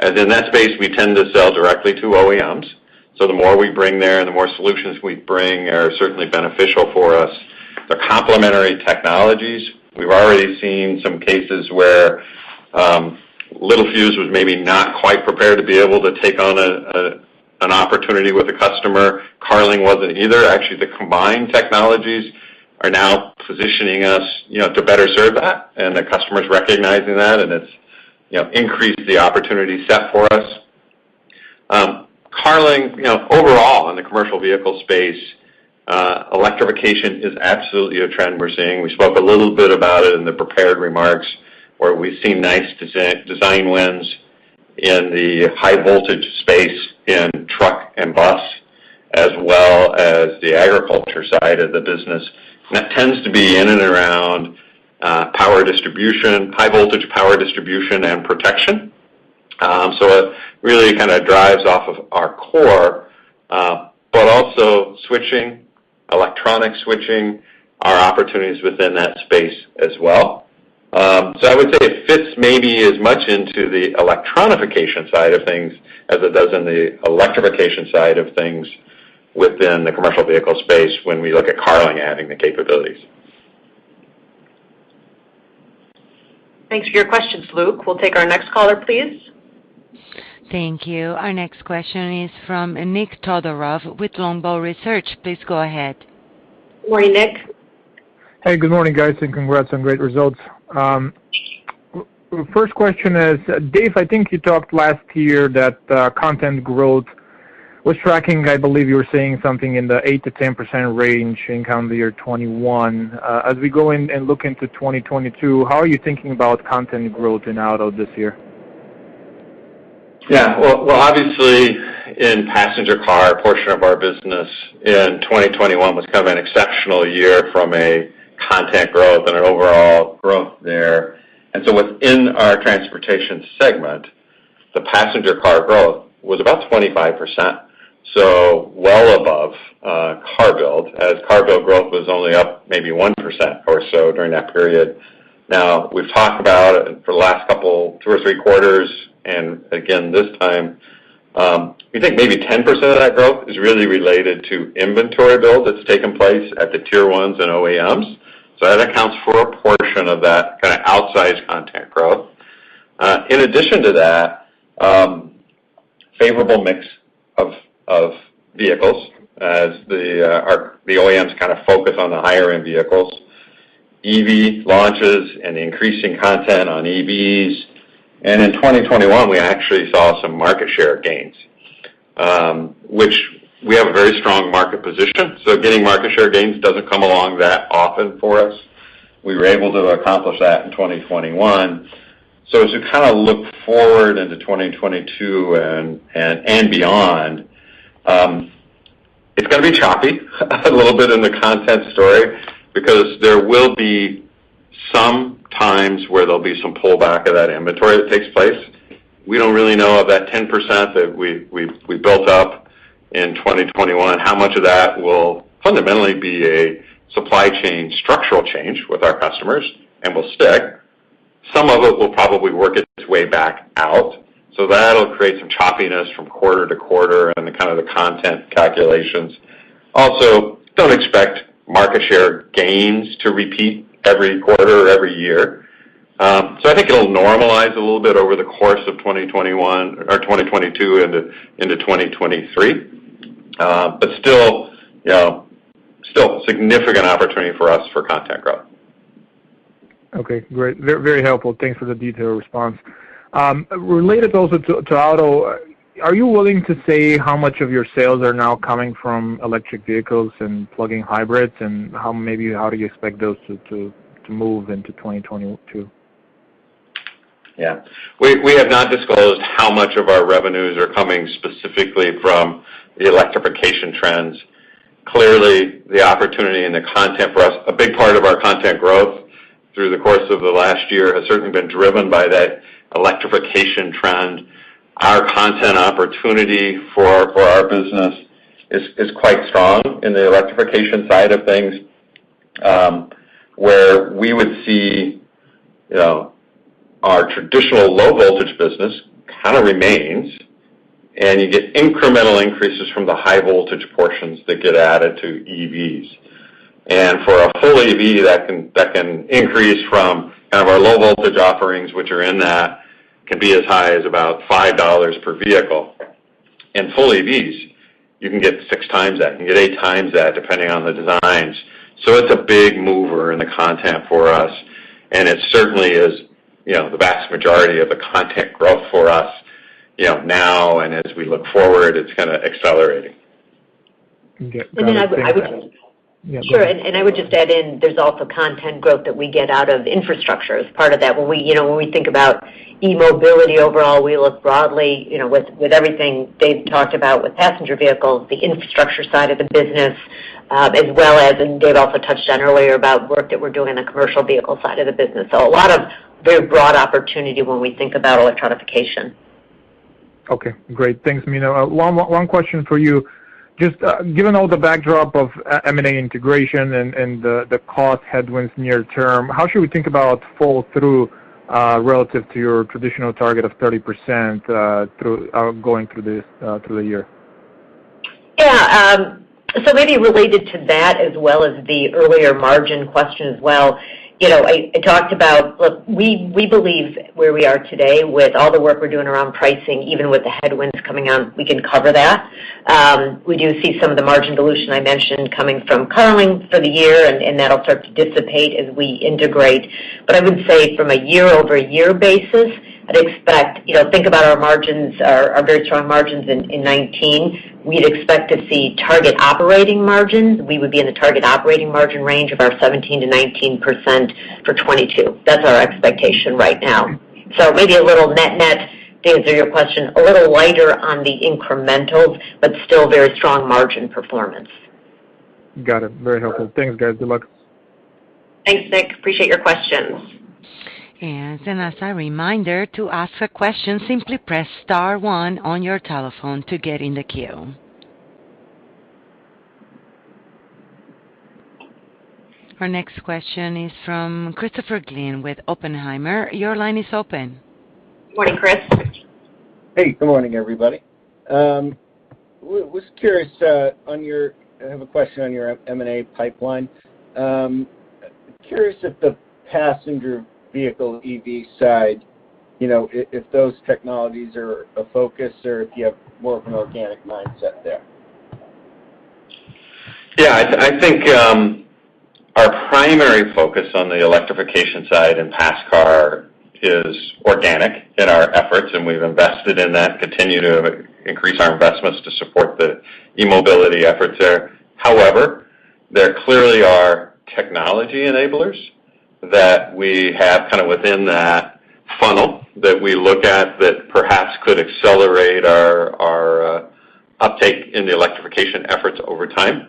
In that space, we tend to sell directly to OEMs. The more we bring there and the more solutions we bring are certainly beneficial for us. They're complementary technologies. We've already seen some cases where Littelfuse was maybe not quite prepared to be able to take on an opportunity with the customer. Carling wasn't either. Actually, the combined technologies are now positioning us, you know, to better serve that, and the customer's recognizing that, and it's, you know, increased the opportunity set for us. Carling, you know, overall in the commercial vehicle space, electrification is absolutely a trend we're seeing. We spoke a little bit about it in the prepared remarks, where we've seen nice design wins in the high voltage space in truck and bus, as well as the agriculture side of the business. That tends to be in and around power distribution, high voltage power distribution and protection. So it really kinda drives off of our core, but also switching, electronic switching, are opportunities within that space as well. I would say it fits maybe as much into the electronification side of things as it does in the electrification side of things within the commercial vehicle space when we look at Carling having the capabilities. Thanks for your questions, Luke. We'll take our next caller, please. Thank you. Our next question is from Nikolay Todorov with Longbow Research. Please go ahead. Morning, Nick. Hey, good morning, guys, and congrats on great results. First question is, Dave, I think you talked last year that content growth was tracking. I believe you were saying something in the 8% to 10% range in calendar year 2021. As we go in and look into 2022, how are you thinking about content growth in auto this year? Well, obviously, in passenger car portion of our business in 2021 was kind of an exceptional year from a content growth and an overall growth there. Within our transportation segment, the passenger car growth was about 25%, so well above car build, as car build growth was only up maybe 1% or so during that period. Now, we've talked about it for the last couple two or three quarters, and again this time, we think maybe 10% of that growth is really related to inventory build that's taken place at the Tier 1s and OEMs. That accounts for a portion of that kinda outsized content growth. In addition to that, favorable mix of vehicles as the OEMs kind of focus on the higher end vehicles, EV launches and increasing content on EVs. In 2021, we actually saw some market share gains, which we have a very strong market position, so getting market share gains doesn't come along that often for us. We were able to accomplish that in 2021. As you kinda look forward into 2022 and beyond, it's gonna be choppy a little bit in the content story because there will be some times where there'll be some pullback of that inventory that takes place. We don't really know of that 10% that we've built up in 2021, how much of that will fundamentally be a supply chain structural change with our customers and will stick. Some of it will probably work its way back out, so that'll create some choppiness from quarter to quarter and the kind of content calculations. Also, don't expect market share gains to repeat every quarter or every year. I think it'll normalize a little bit over the course of 2021 or 2022 into 2023. Still, you know, still significant opportunity for us for content growth. Okay. Great. Very helpful. Thanks for the detailed response. Related also to auto, are you willing to say how much of your sales are now coming from electric vehicles and plug-in hybrids, and how maybe do you expect those to move into 2022? Yeah. We have not disclosed how much of our revenues are coming specifically from the electrification trends. Clearly, the opportunity and the content for us, a big part of our content growth through the course of the last year has certainly been driven by that electrification trend. Our content opportunity for our business is quite strong in the electrification side of things, where we would see, you know, our traditional low voltage business kind of remains, and you get incremental increases from the high voltage portions that get added to EVs. For a full EV, that can increase from kind of our low voltage offerings, which are in that can be as high as about $5 per vehicle. In full EVs, you can get 6x that. You can get 8x that depending on the designs. It's a big mover in the content for us, and it certainly is, you know, the vast majority of the content growth for us, you know, now, and as we look forward, it's kinda accelerating. Okay. Got it. Thanks. I would. Yeah, go ahead. Sure. I would just add in, there's also content growth that we get out of infrastructure as part of that. When we, you know, when we think about e-mobility overall, we look broadly, you know, with everything Dave talked about with passenger vehicles, the infrastructure side of the business, as well as, and Dave also touched on earlier about work that we're doing on the commercial vehicle side of the business. A lot of very broad opportunity when we think about electrification. Okay, great. Thanks, Meenal. One question for you. Just given all the backdrop of M&A integration and the cost headwinds near term, how should we think about flow-through relative to your traditional target of 30% through the year? Yeah. So maybe related to that as well as the earlier margin question as well. You know, Look, we believe where we are today with all the work we're doing around pricing, even with the headwinds coming on, we can cover that. We do see some of the margin dilution I mentioned coming from Carling for the year, and that'll start to dissipate as we integrate. I would say from a year-over-year basis, I'd expect. You know, think about our margins, our very strong margins in 2019, we'd expect to see target operating margins. We would be in the target operating margin range of 17% to 19% for 2022. That's our expectation right now. Maybe a little net-net to answer your question, a little lighter on the incrementals, but still very strong margin performance. Got it. Very helpful. Thanks, guys. Good luck. Thanks, Nick. I appreciate your questions. As a reminder, to ask a question, simply press star one on your telephone to get in the queue. Our next question is from Christopher Glynn with Oppenheimer. Your line is open. Morning, Chris. Hey, good morning, everybody. I have a question on your M&A pipeline. Curious if the passenger vehicle EV side, you know, if those technologies are a focus or if you have more of an organic mindset there. Yeah. I think our primary focus on the electrification side in passenger car is organic in our efforts, and we've invested in that, continue to increase our investments to support the e-mobility efforts there. However, there clearly are technology enablers that we have kind of within that funnel that we look at that perhaps could accelerate our uptake in the electrification efforts over time.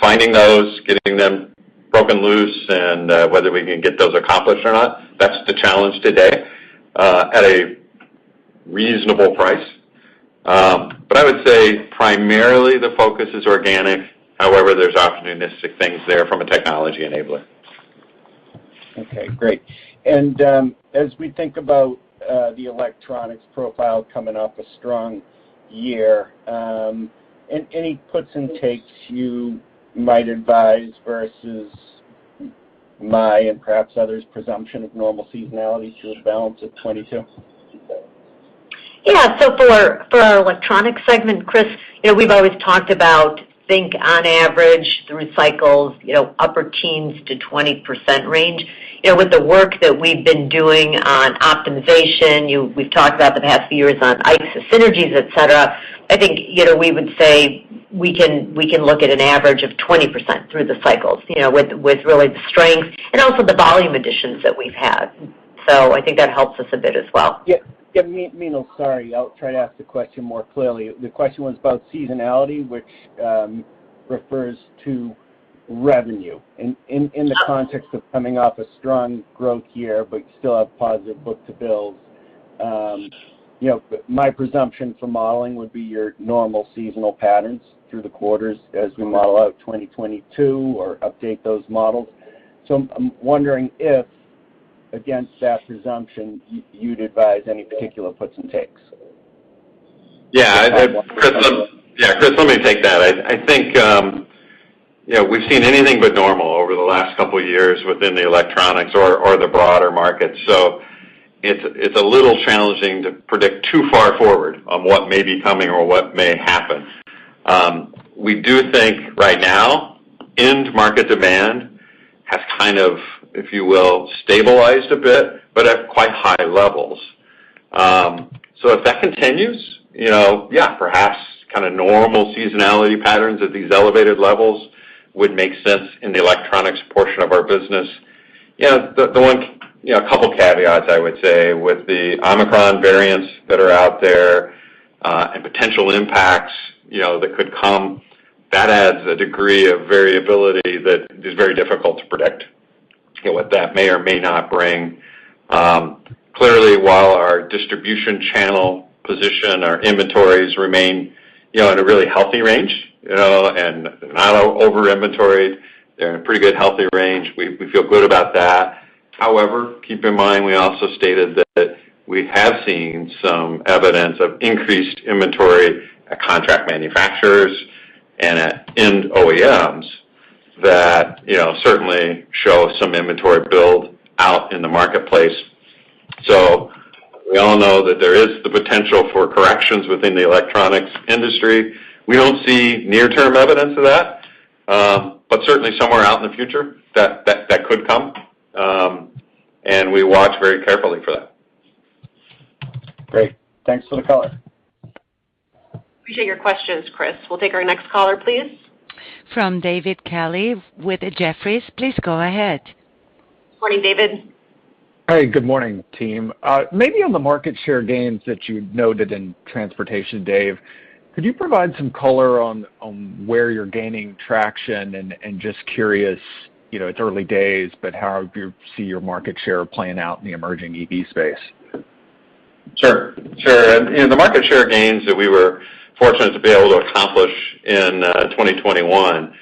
Finding those, getting them broken loose and whether we can get those accomplished or not, that's the challenge today at a reasonable price. But I would say primarily the focus is organic. However, there's opportunistic things there from a technology enabler. Okay, great. As we think about the electronics profile coming off a strong year, any puts and takes you might advise versus my and perhaps others' presumption of normal seasonality to the balance of 2022? Yeah. For our electronics segment, Chris, you know, we've always talked about. I think on average through cycles, you know, upper teens to 20% range. You know, with the work that we've been doing on optimization, you've talked about the past few years on IXYS synergies, et cetera, I think, you know, we would say we can look at an average of 20% through the cycles, you know, with really the strength and also the volume additions that we've had. I think that helps us a bit as well. Yeah. Meenal, sorry, I'll try to ask the question more clearly. The question was about seasonality, which refers to revenue in the context of coming off a strong growth year, but you still have positive book-to-bill. You know, my presumption for modeling would be your normal seasonal patterns through the quarters as we model out 2022 or update those models. I'm wondering if, against that presumption, you'd advise any particular puts and takes. Yeah. Chris, let me take that. I think, you know, we've seen anything but normal over the last couple of years within the electronics or the broader market. It's a little challenging to predict too far forward on what may be coming or what may happen. We do think right now, end market demand has kind of, if you will, stabilized a bit, but at quite high levels. If that continues, you know, yeah, perhaps kinda normal seasonality patterns at these elevated levels would make sense in the electronics portion of our business. You know, a couple caveats, I would say. With the Omicron variants that are out there, and potential impacts, you know, that could come, that adds a degree of variability that is very difficult to predict, you know, what that may or may not bring. Clearly, while our distribution channel position, our inventories remain, you know, in a really healthy range, you know, and not over-inventoried, they're in a pretty good, healthy range. We feel good about that. However, keep in mind, we also stated that we have seen some evidence of increased inventory at contract manufacturers and at end OEMs that, you know, certainly show some inventory build out in the marketplace. We all know that there is the potential for corrections within the electronics industry. We don't see near-term evidence of that, but certainly somewhere out in the future that could come. We watch very carefully for that. Great. Thanks for the color. Appreciate your questions, Chris. We'll take our next caller, please. From David Kelley with Jefferies. Please go ahead. Morning, David. Hey, good morning, team. Maybe on the market share gains that you noted in transportation, Dave, could you provide some color on where you're gaining traction? Just curious, you know, it's early days, but how do you see your market share playing out in the emerging EV space? Sure. You know, the market share gains that we were fortunate to be able to accomplish in 2021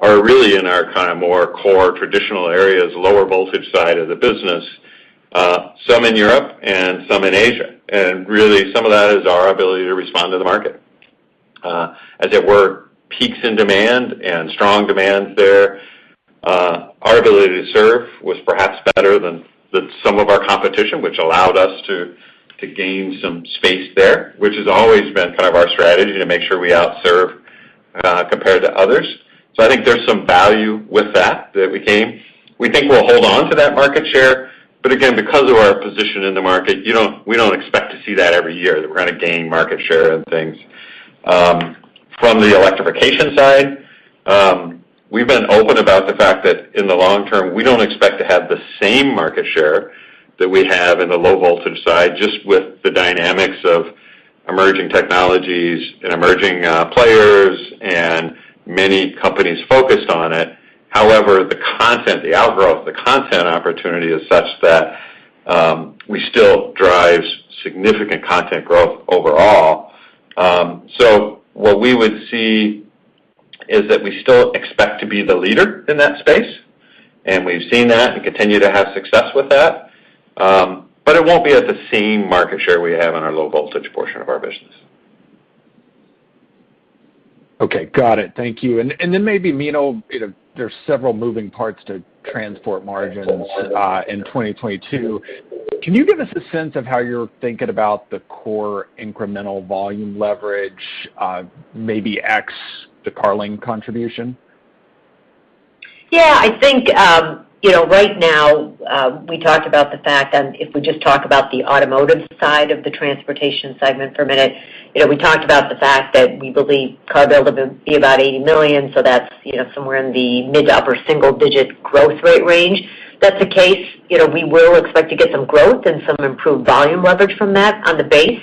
are really in our kinda more core traditional areas, lower voltage side of the business. Some in Europe and some in Asia. Really some of that is our ability to respond to the market. As it were peaks in demand and strong demand there, our ability to serve was perhaps better than some of our competition, which allowed us to gain some space there, which has always been kind of our strategy to make sure we out-serve compared to others. I think there's some value with that that we gain. We think we'll hold on to that market share, but again, because of our position in the market, we don't expect to see that every year, that we're gonna gain market share and things. From the electrification side, we've been open about the fact that in the long term, we don't expect to have the same market share that we have in the low voltage side, just with the dynamics of emerging technologies and emerging players and many companies focused on it. However, the content, the outgrowth, the content opportunity is such that, we still drive significant content growth overall. What we would see is that we still expect to be the leader in that space, and we've seen that and continue to have success with that. It won't be at the same market share we have in our low voltage portion of our business. Okay. Got it. Thank you. Maybe Meenal, you know, there's several moving parts to transport margins in 2022. Can you give us a sense of how you're thinking about the core incremental volume leverage, maybe ex the Carling contribution? Yeah, I think, you know, right now, we talked about the fact and if we just talk about the automotive side of the transportation segment for a minute, you know, we talked about the fact that we believe car build will be about 80 million, so that's, you know, somewhere in the mid to upper single digit growth rate range. That's the case. You know, we will expect to get some growth and some improved volume leverage from that on the base.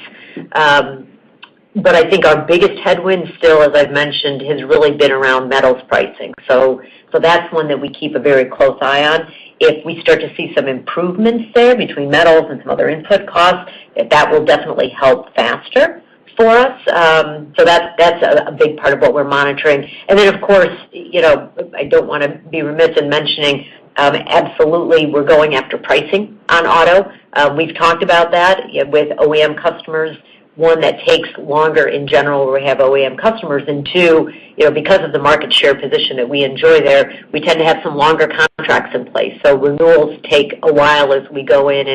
But I think our biggest headwind still, as I've mentioned, has really been around metals pricing. So that's one that we keep a very close eye on. If we start to see some improvements there between metals and some other input costs, that will definitely help faster for us. So that's a big part of what we're monitoring. Of course, you know, I don't wanna be remiss in mentioning, absolutely we're going after pricing on auto. We've talked about that with OEM customers, one, that takes longer in general where we have OEM customers, and two, you know, because of the market share position that we enjoy there, we tend to have some longer contracts in place. Renewals take a while as we go in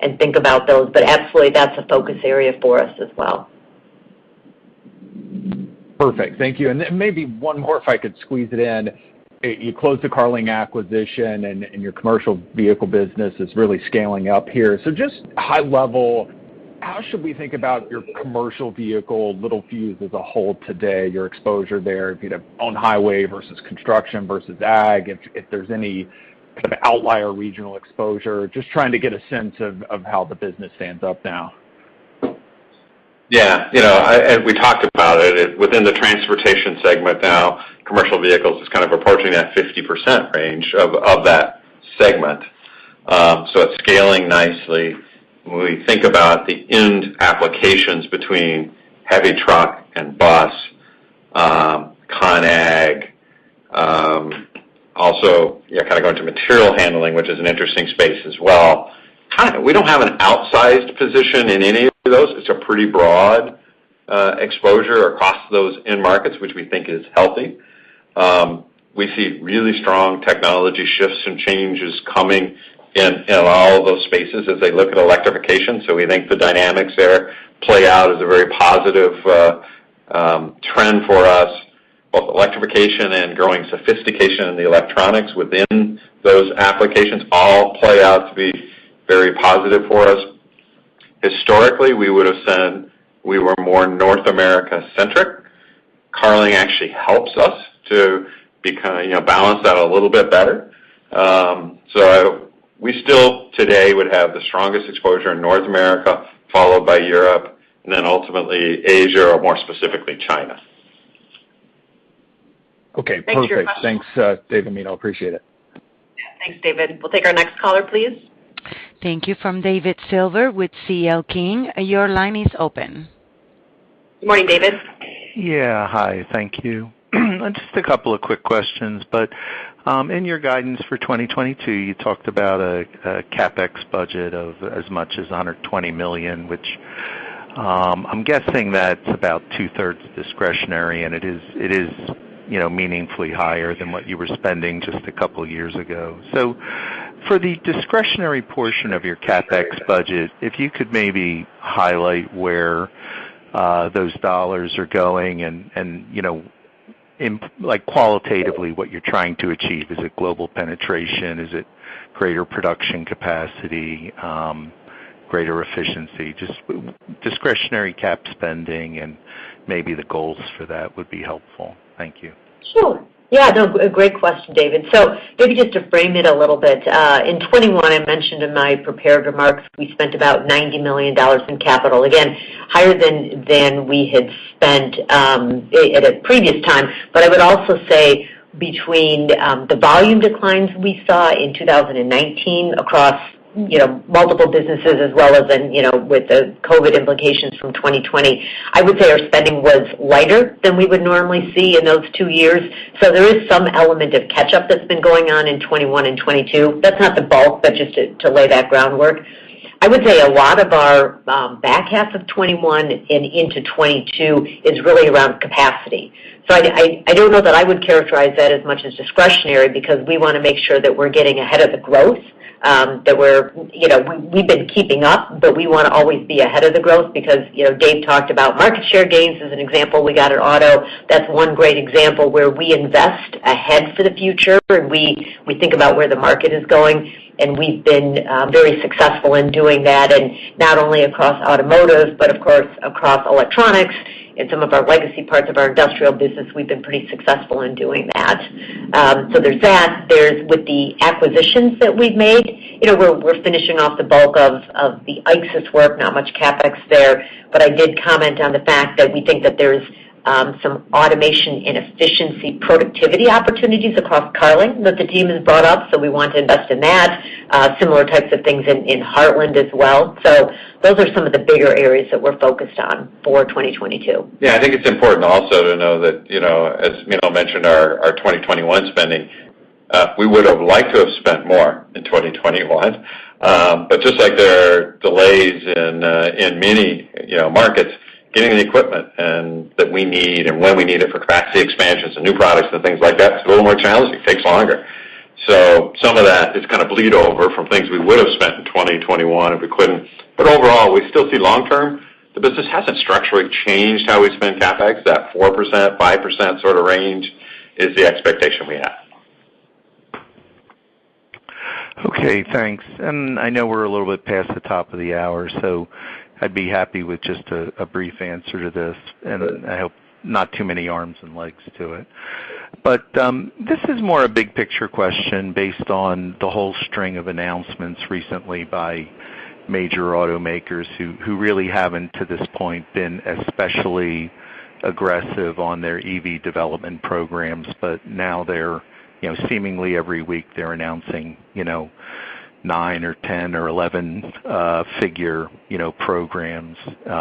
and think about those. Absolutely, that's a focus area for us as well. Perfect. Thank you. Then maybe one more if I could squeeze it in. You closed the Carling acquisition and your commercial vehicle business is really scaling up here. Just high level, how should we think about your commercial vehicle, Littelfuse as a whole today, your exposure there, you know, on highway versus construction versus ag, if there's any kind of outlier regional exposure? Just trying to get a sense of how the business stands up now. Yeah. You know, as we talked about it, within the Transportation segment now, commercial vehicles is kind of approaching that 50% range of that segment. It's scaling nicely. When we think about the end applications between heavy truck and bus, con ag, also, kind of going to material handling, which is an interesting space as well. Kind of we don't have an outsized position in any of those. It's a pretty broad exposure across those end markets, which we think is healthy. We see really strong technology shifts and changes coming in all of those spaces as they look at electrification. We think the dynamics there play out as a very positive trend for us. Both electrification and growing sophistication in the electronics within those applications all play out to be very positive for us. Historically, we would've said we were more North America-centric. Carling actually helps us to be you know, balance that a little bit better. We still today would have the strongest exposure in North America, followed by Europe, and then ultimately Asia or more specifically China. Okay. Perfect. Thanks for your question. Thanks, Dave and Meenal. Appreciate it. Yeah. Thanks, David. We'll take our next caller, please. Thank you. From David Silver with C.L. King, your line is open. Good morning, David. Yeah. Hi. Thank you. Just a couple of quick questions. In your guidance for 2022, you talked about a CapEx budget of as much as $120 million, which I'm guessing that's about two-thirds discretionary, and it is, you know, meaningfully higher than what you were spending just a couple years ago. For the discretionary portion of your CapEx budget, if you could maybe highlight where those dollars are going and, you know, like, qualitatively, what you're trying to achieve. Is it global penetration? Is it greater production capacity, greater efficiency? Just discretionary cap spending and maybe the goals for that would be helpful. Thank you. Sure. Yeah. No, a great question, David. So maybe just to frame it a little bit, in 2021, I mentioned in my prepared remarks, we spent about $90 million in capital. Again, higher than we had spent at a previous time. I would also say between the volume declines we saw in 2019 across, you know, multiple businesses as well as in, you know, with the COVID implications from 2020, I would say our spending was lighter than we would normally see in those two years. There is some element of catch-up that's been going on in 2021 and 2022. That's not the bulk, but just to lay that groundwork. I would say a lot of our back half of 2021 and into 2022 is really around capacity. I don't know that I would characterize that as much as discretionary because we want to make sure that we're getting ahead of the growth that we've been keeping up, but we want to always be ahead of the growth because Dave talked about market share gains as an example we got in auto. That's one great example where we invest ahead for the future, and we think about where the market is going, and we've been very successful in doing that, and not only across automotive, but of course, across electronics. In some of our legacy parts of our industrial business, we've been pretty successful in doing that. There's that. With the acquisitions that we've made, we're finishing off the bulk of the IXYS work, not much CapEx there. I did comment on the fact that we think that there's some automation and efficiency productivity opportunities across Carling that the team has brought up, so we want to invest in that. Similar types of things in Hartland as well. Those are some of the bigger areas that we're focused on for 2022. Yeah. I think it's important also to know that, you know, as Meenal mentioned, our 2021 spending, we would have liked to have spent more in 2021. But just like there are delays in many, you know, markets, getting the equipment and that we need and when we need it for capacity expansions and new products and things like that, it's a little more challenging. It takes longer. Some of that is kind of bleed over from things we would have spent in 2021, and we couldn't. Overall, we still see long term, the business hasn't structurally changed how we spend CapEx. That 4%, 5% sort of range is the expectation we have. Okay, thanks. I know we're a little bit past the top of the hour, so I'd be happy with just a brief answer to this, and I hope not too many arms and legs to it. This is more a big picture question based on the whole string of announcements recently by major automakers who really haven't, to this point, been especially aggressive on their EV development programs. But now they're, you know, seemingly every week they're announcing, you know, nine or 10 or 11 figure, you know, programs,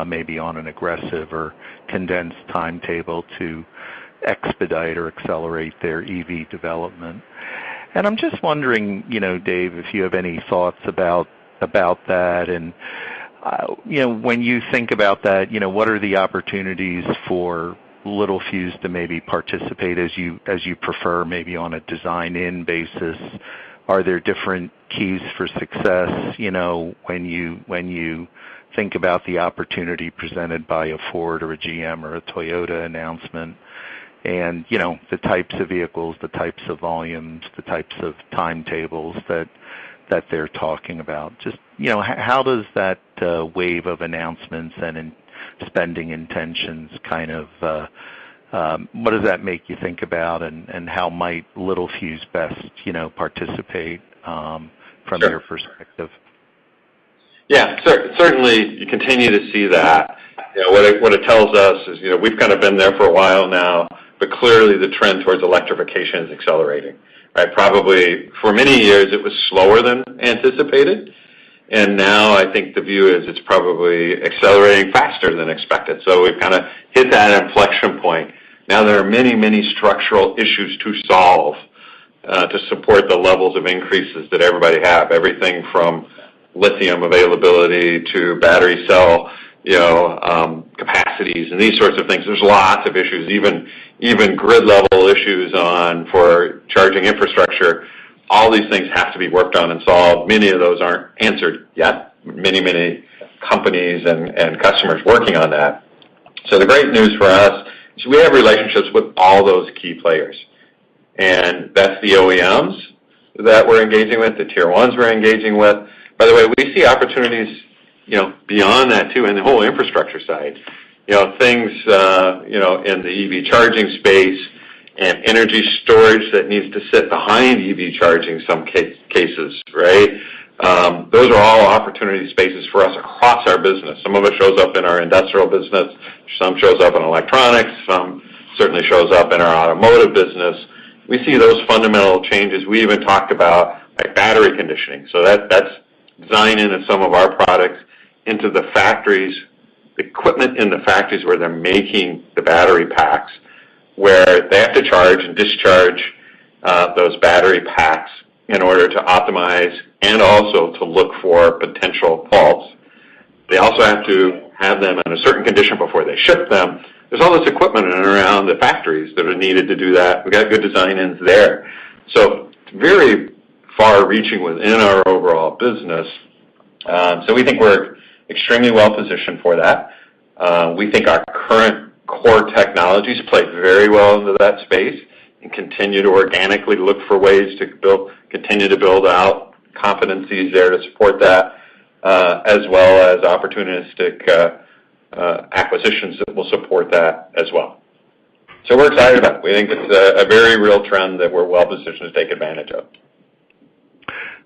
maybe on an aggressive or condensed timetable to expedite or accelerate their EV development. I'm just wondering, you know, Dave, if you have any thoughts about that. You know, when you think about that, you know, what are the opportunities for Littelfuse to maybe participate as you, as you prefer, maybe on a design-in basis? Are there different keys for success, you know, when you think about the opportunity presented by a Ford or a GM or a Toyota announcement and, you know, the types of vehicles, the types of volumes, the types of timetables that they're talking about? Just, you know, how does that wave of announcements and in spending intentions kind of make you think about and how might Littelfuse best, you know, participate from your perspective? Yeah. Certainly, you continue to see that. You know, what it tells us is, you know, we've kind of been there for a while now, but clearly the trend towards electrification is accelerating, right? Probably for many years, it was slower than anticipated. Now I think the view is it's probably accelerating faster than expected. We've kinda hit that inflection point. Now there are many, many structural issues to solve to support the levels of increases that everybody have, everything from lithium availability to battery cell, you know, capacities and these sorts of things. There's lots of issues, even grid-level issues on for charging infrastructure. All these things have to be worked on and solved. Many of those aren't answered yet. Many, many companies and customers working on that. The great news for us is we have relationships with all those key players, and that's the OEMs that we're engaging with, the Tier 1s we're engaging with. By the way, we see opportunities, you know, beyond that too, in the whole infrastructure side. You know, things, you know, in the EV charging space and energy storage that needs to sit behind EV charging some cases, right? Those are all opportunity spaces for us across our business. Some of it shows up in our industrial business, some shows up in electronics, some certainly shows up in our automotive business. We see those fundamental changes. We even talked about, like, battery conditioning. That's designing in some of our products into the factories, equipment in the factories where they're making the battery packs, where they have to charge and discharge those battery packs in order to optimize and also to look for potential faults. They also have to have them in a certain condition before they ship them. There's all this equipment in and around the factories that are needed to do that. We got good design-ins there. It's very far reaching within our overall business. We think we're extremely well-positioned for that. We think our current core technologies play very well into that space and continue to organically look for ways to continue to build out competencies there to support that, as well as opportunistic acquisitions that will support that as well. We're excited about it. We think it's a very real trend that we're well-positioned to take advantage of.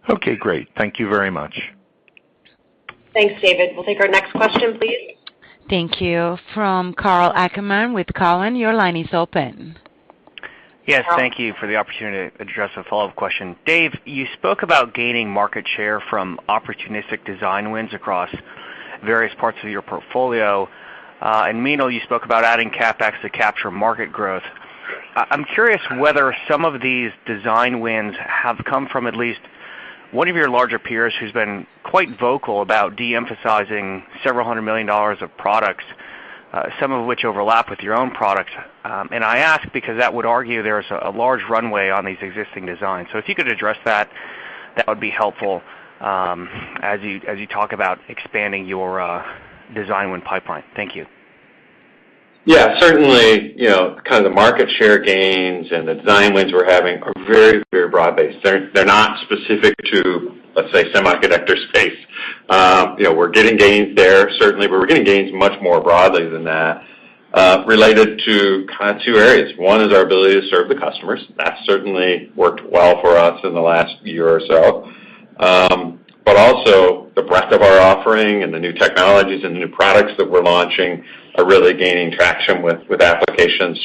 Okay, great. Thank you very much. Thanks, David. We'll take our next question, please. Thank you. From Karl Ackerman with TD Cowen. Your line is open. Yes. Thank you for the opportunity to address a follow-up question. Dave, you spoke about gaining market share from opportunistic design wins across various parts of your portfolio. And Meenal, you spoke about adding CapEx to capture market growth. I'm curious whether some of these design wins have come from at least one of your larger peers who's been quite vocal about de-emphasizing several hundred million dollars of products, some of which overlap with your own products. And I ask because that would argue there is a large runway on these existing designs. If you could address that would be helpful, as you talk about expanding your design win pipeline. Thank you. Yeah, certainly, you know, kind of the market share gains and the design wins we're having are very, very broad-based. They're not specific to, let's say, semiconductor space. You know, we're getting gains there certainly, but we're getting gains much more broadly than that, related to kind of two areas. One is our ability to serve the customers. That certainly worked well for us in the last year or so. Also the breadth of our offering and the new technologies and new products that we're launching are really gaining traction with applications.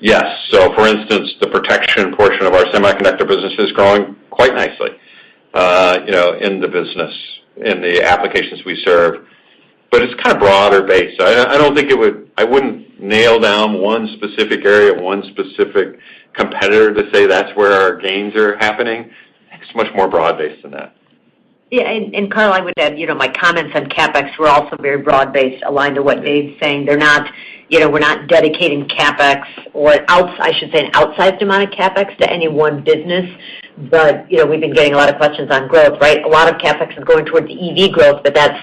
Yes. For instance, the protection portion of our semiconductor business is growing quite nicely, you know, in the business, in the applications we serve, but it's kind of broader based. I wouldn't nail down one specific area, one specific competitor to say that's where our gains are happening. It's much more broad-based than that. Yeah, Karl, I would add, you know, my comments on CapEx were also very broad-based, aligned to what Dave's saying. They're not, you know, we're not dedicating CapEx or, I should say, an outsized amount of CapEx to any one business. You know, we've been getting a lot of questions on growth, right? A lot of CapEx is going towards EV growth, but that's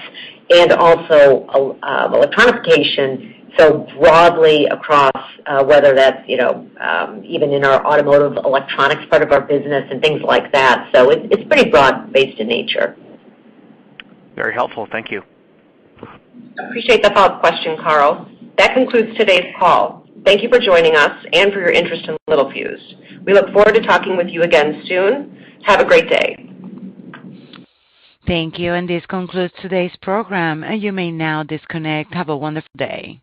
also electrification, so broadly across, whether that's, you know, even in our automotive electronics part of our business and things like that. It's pretty broad-based in nature. Very helpful. Thank you. Appreciate the follow-up question, Karl. That concludes today's call. Thank you for joining us and for your interest in Littelfuse. We look forward to talking with you again soon. Have a great day. Thank you, and this concludes today's program. You may now disconnect. Have a wonderful day.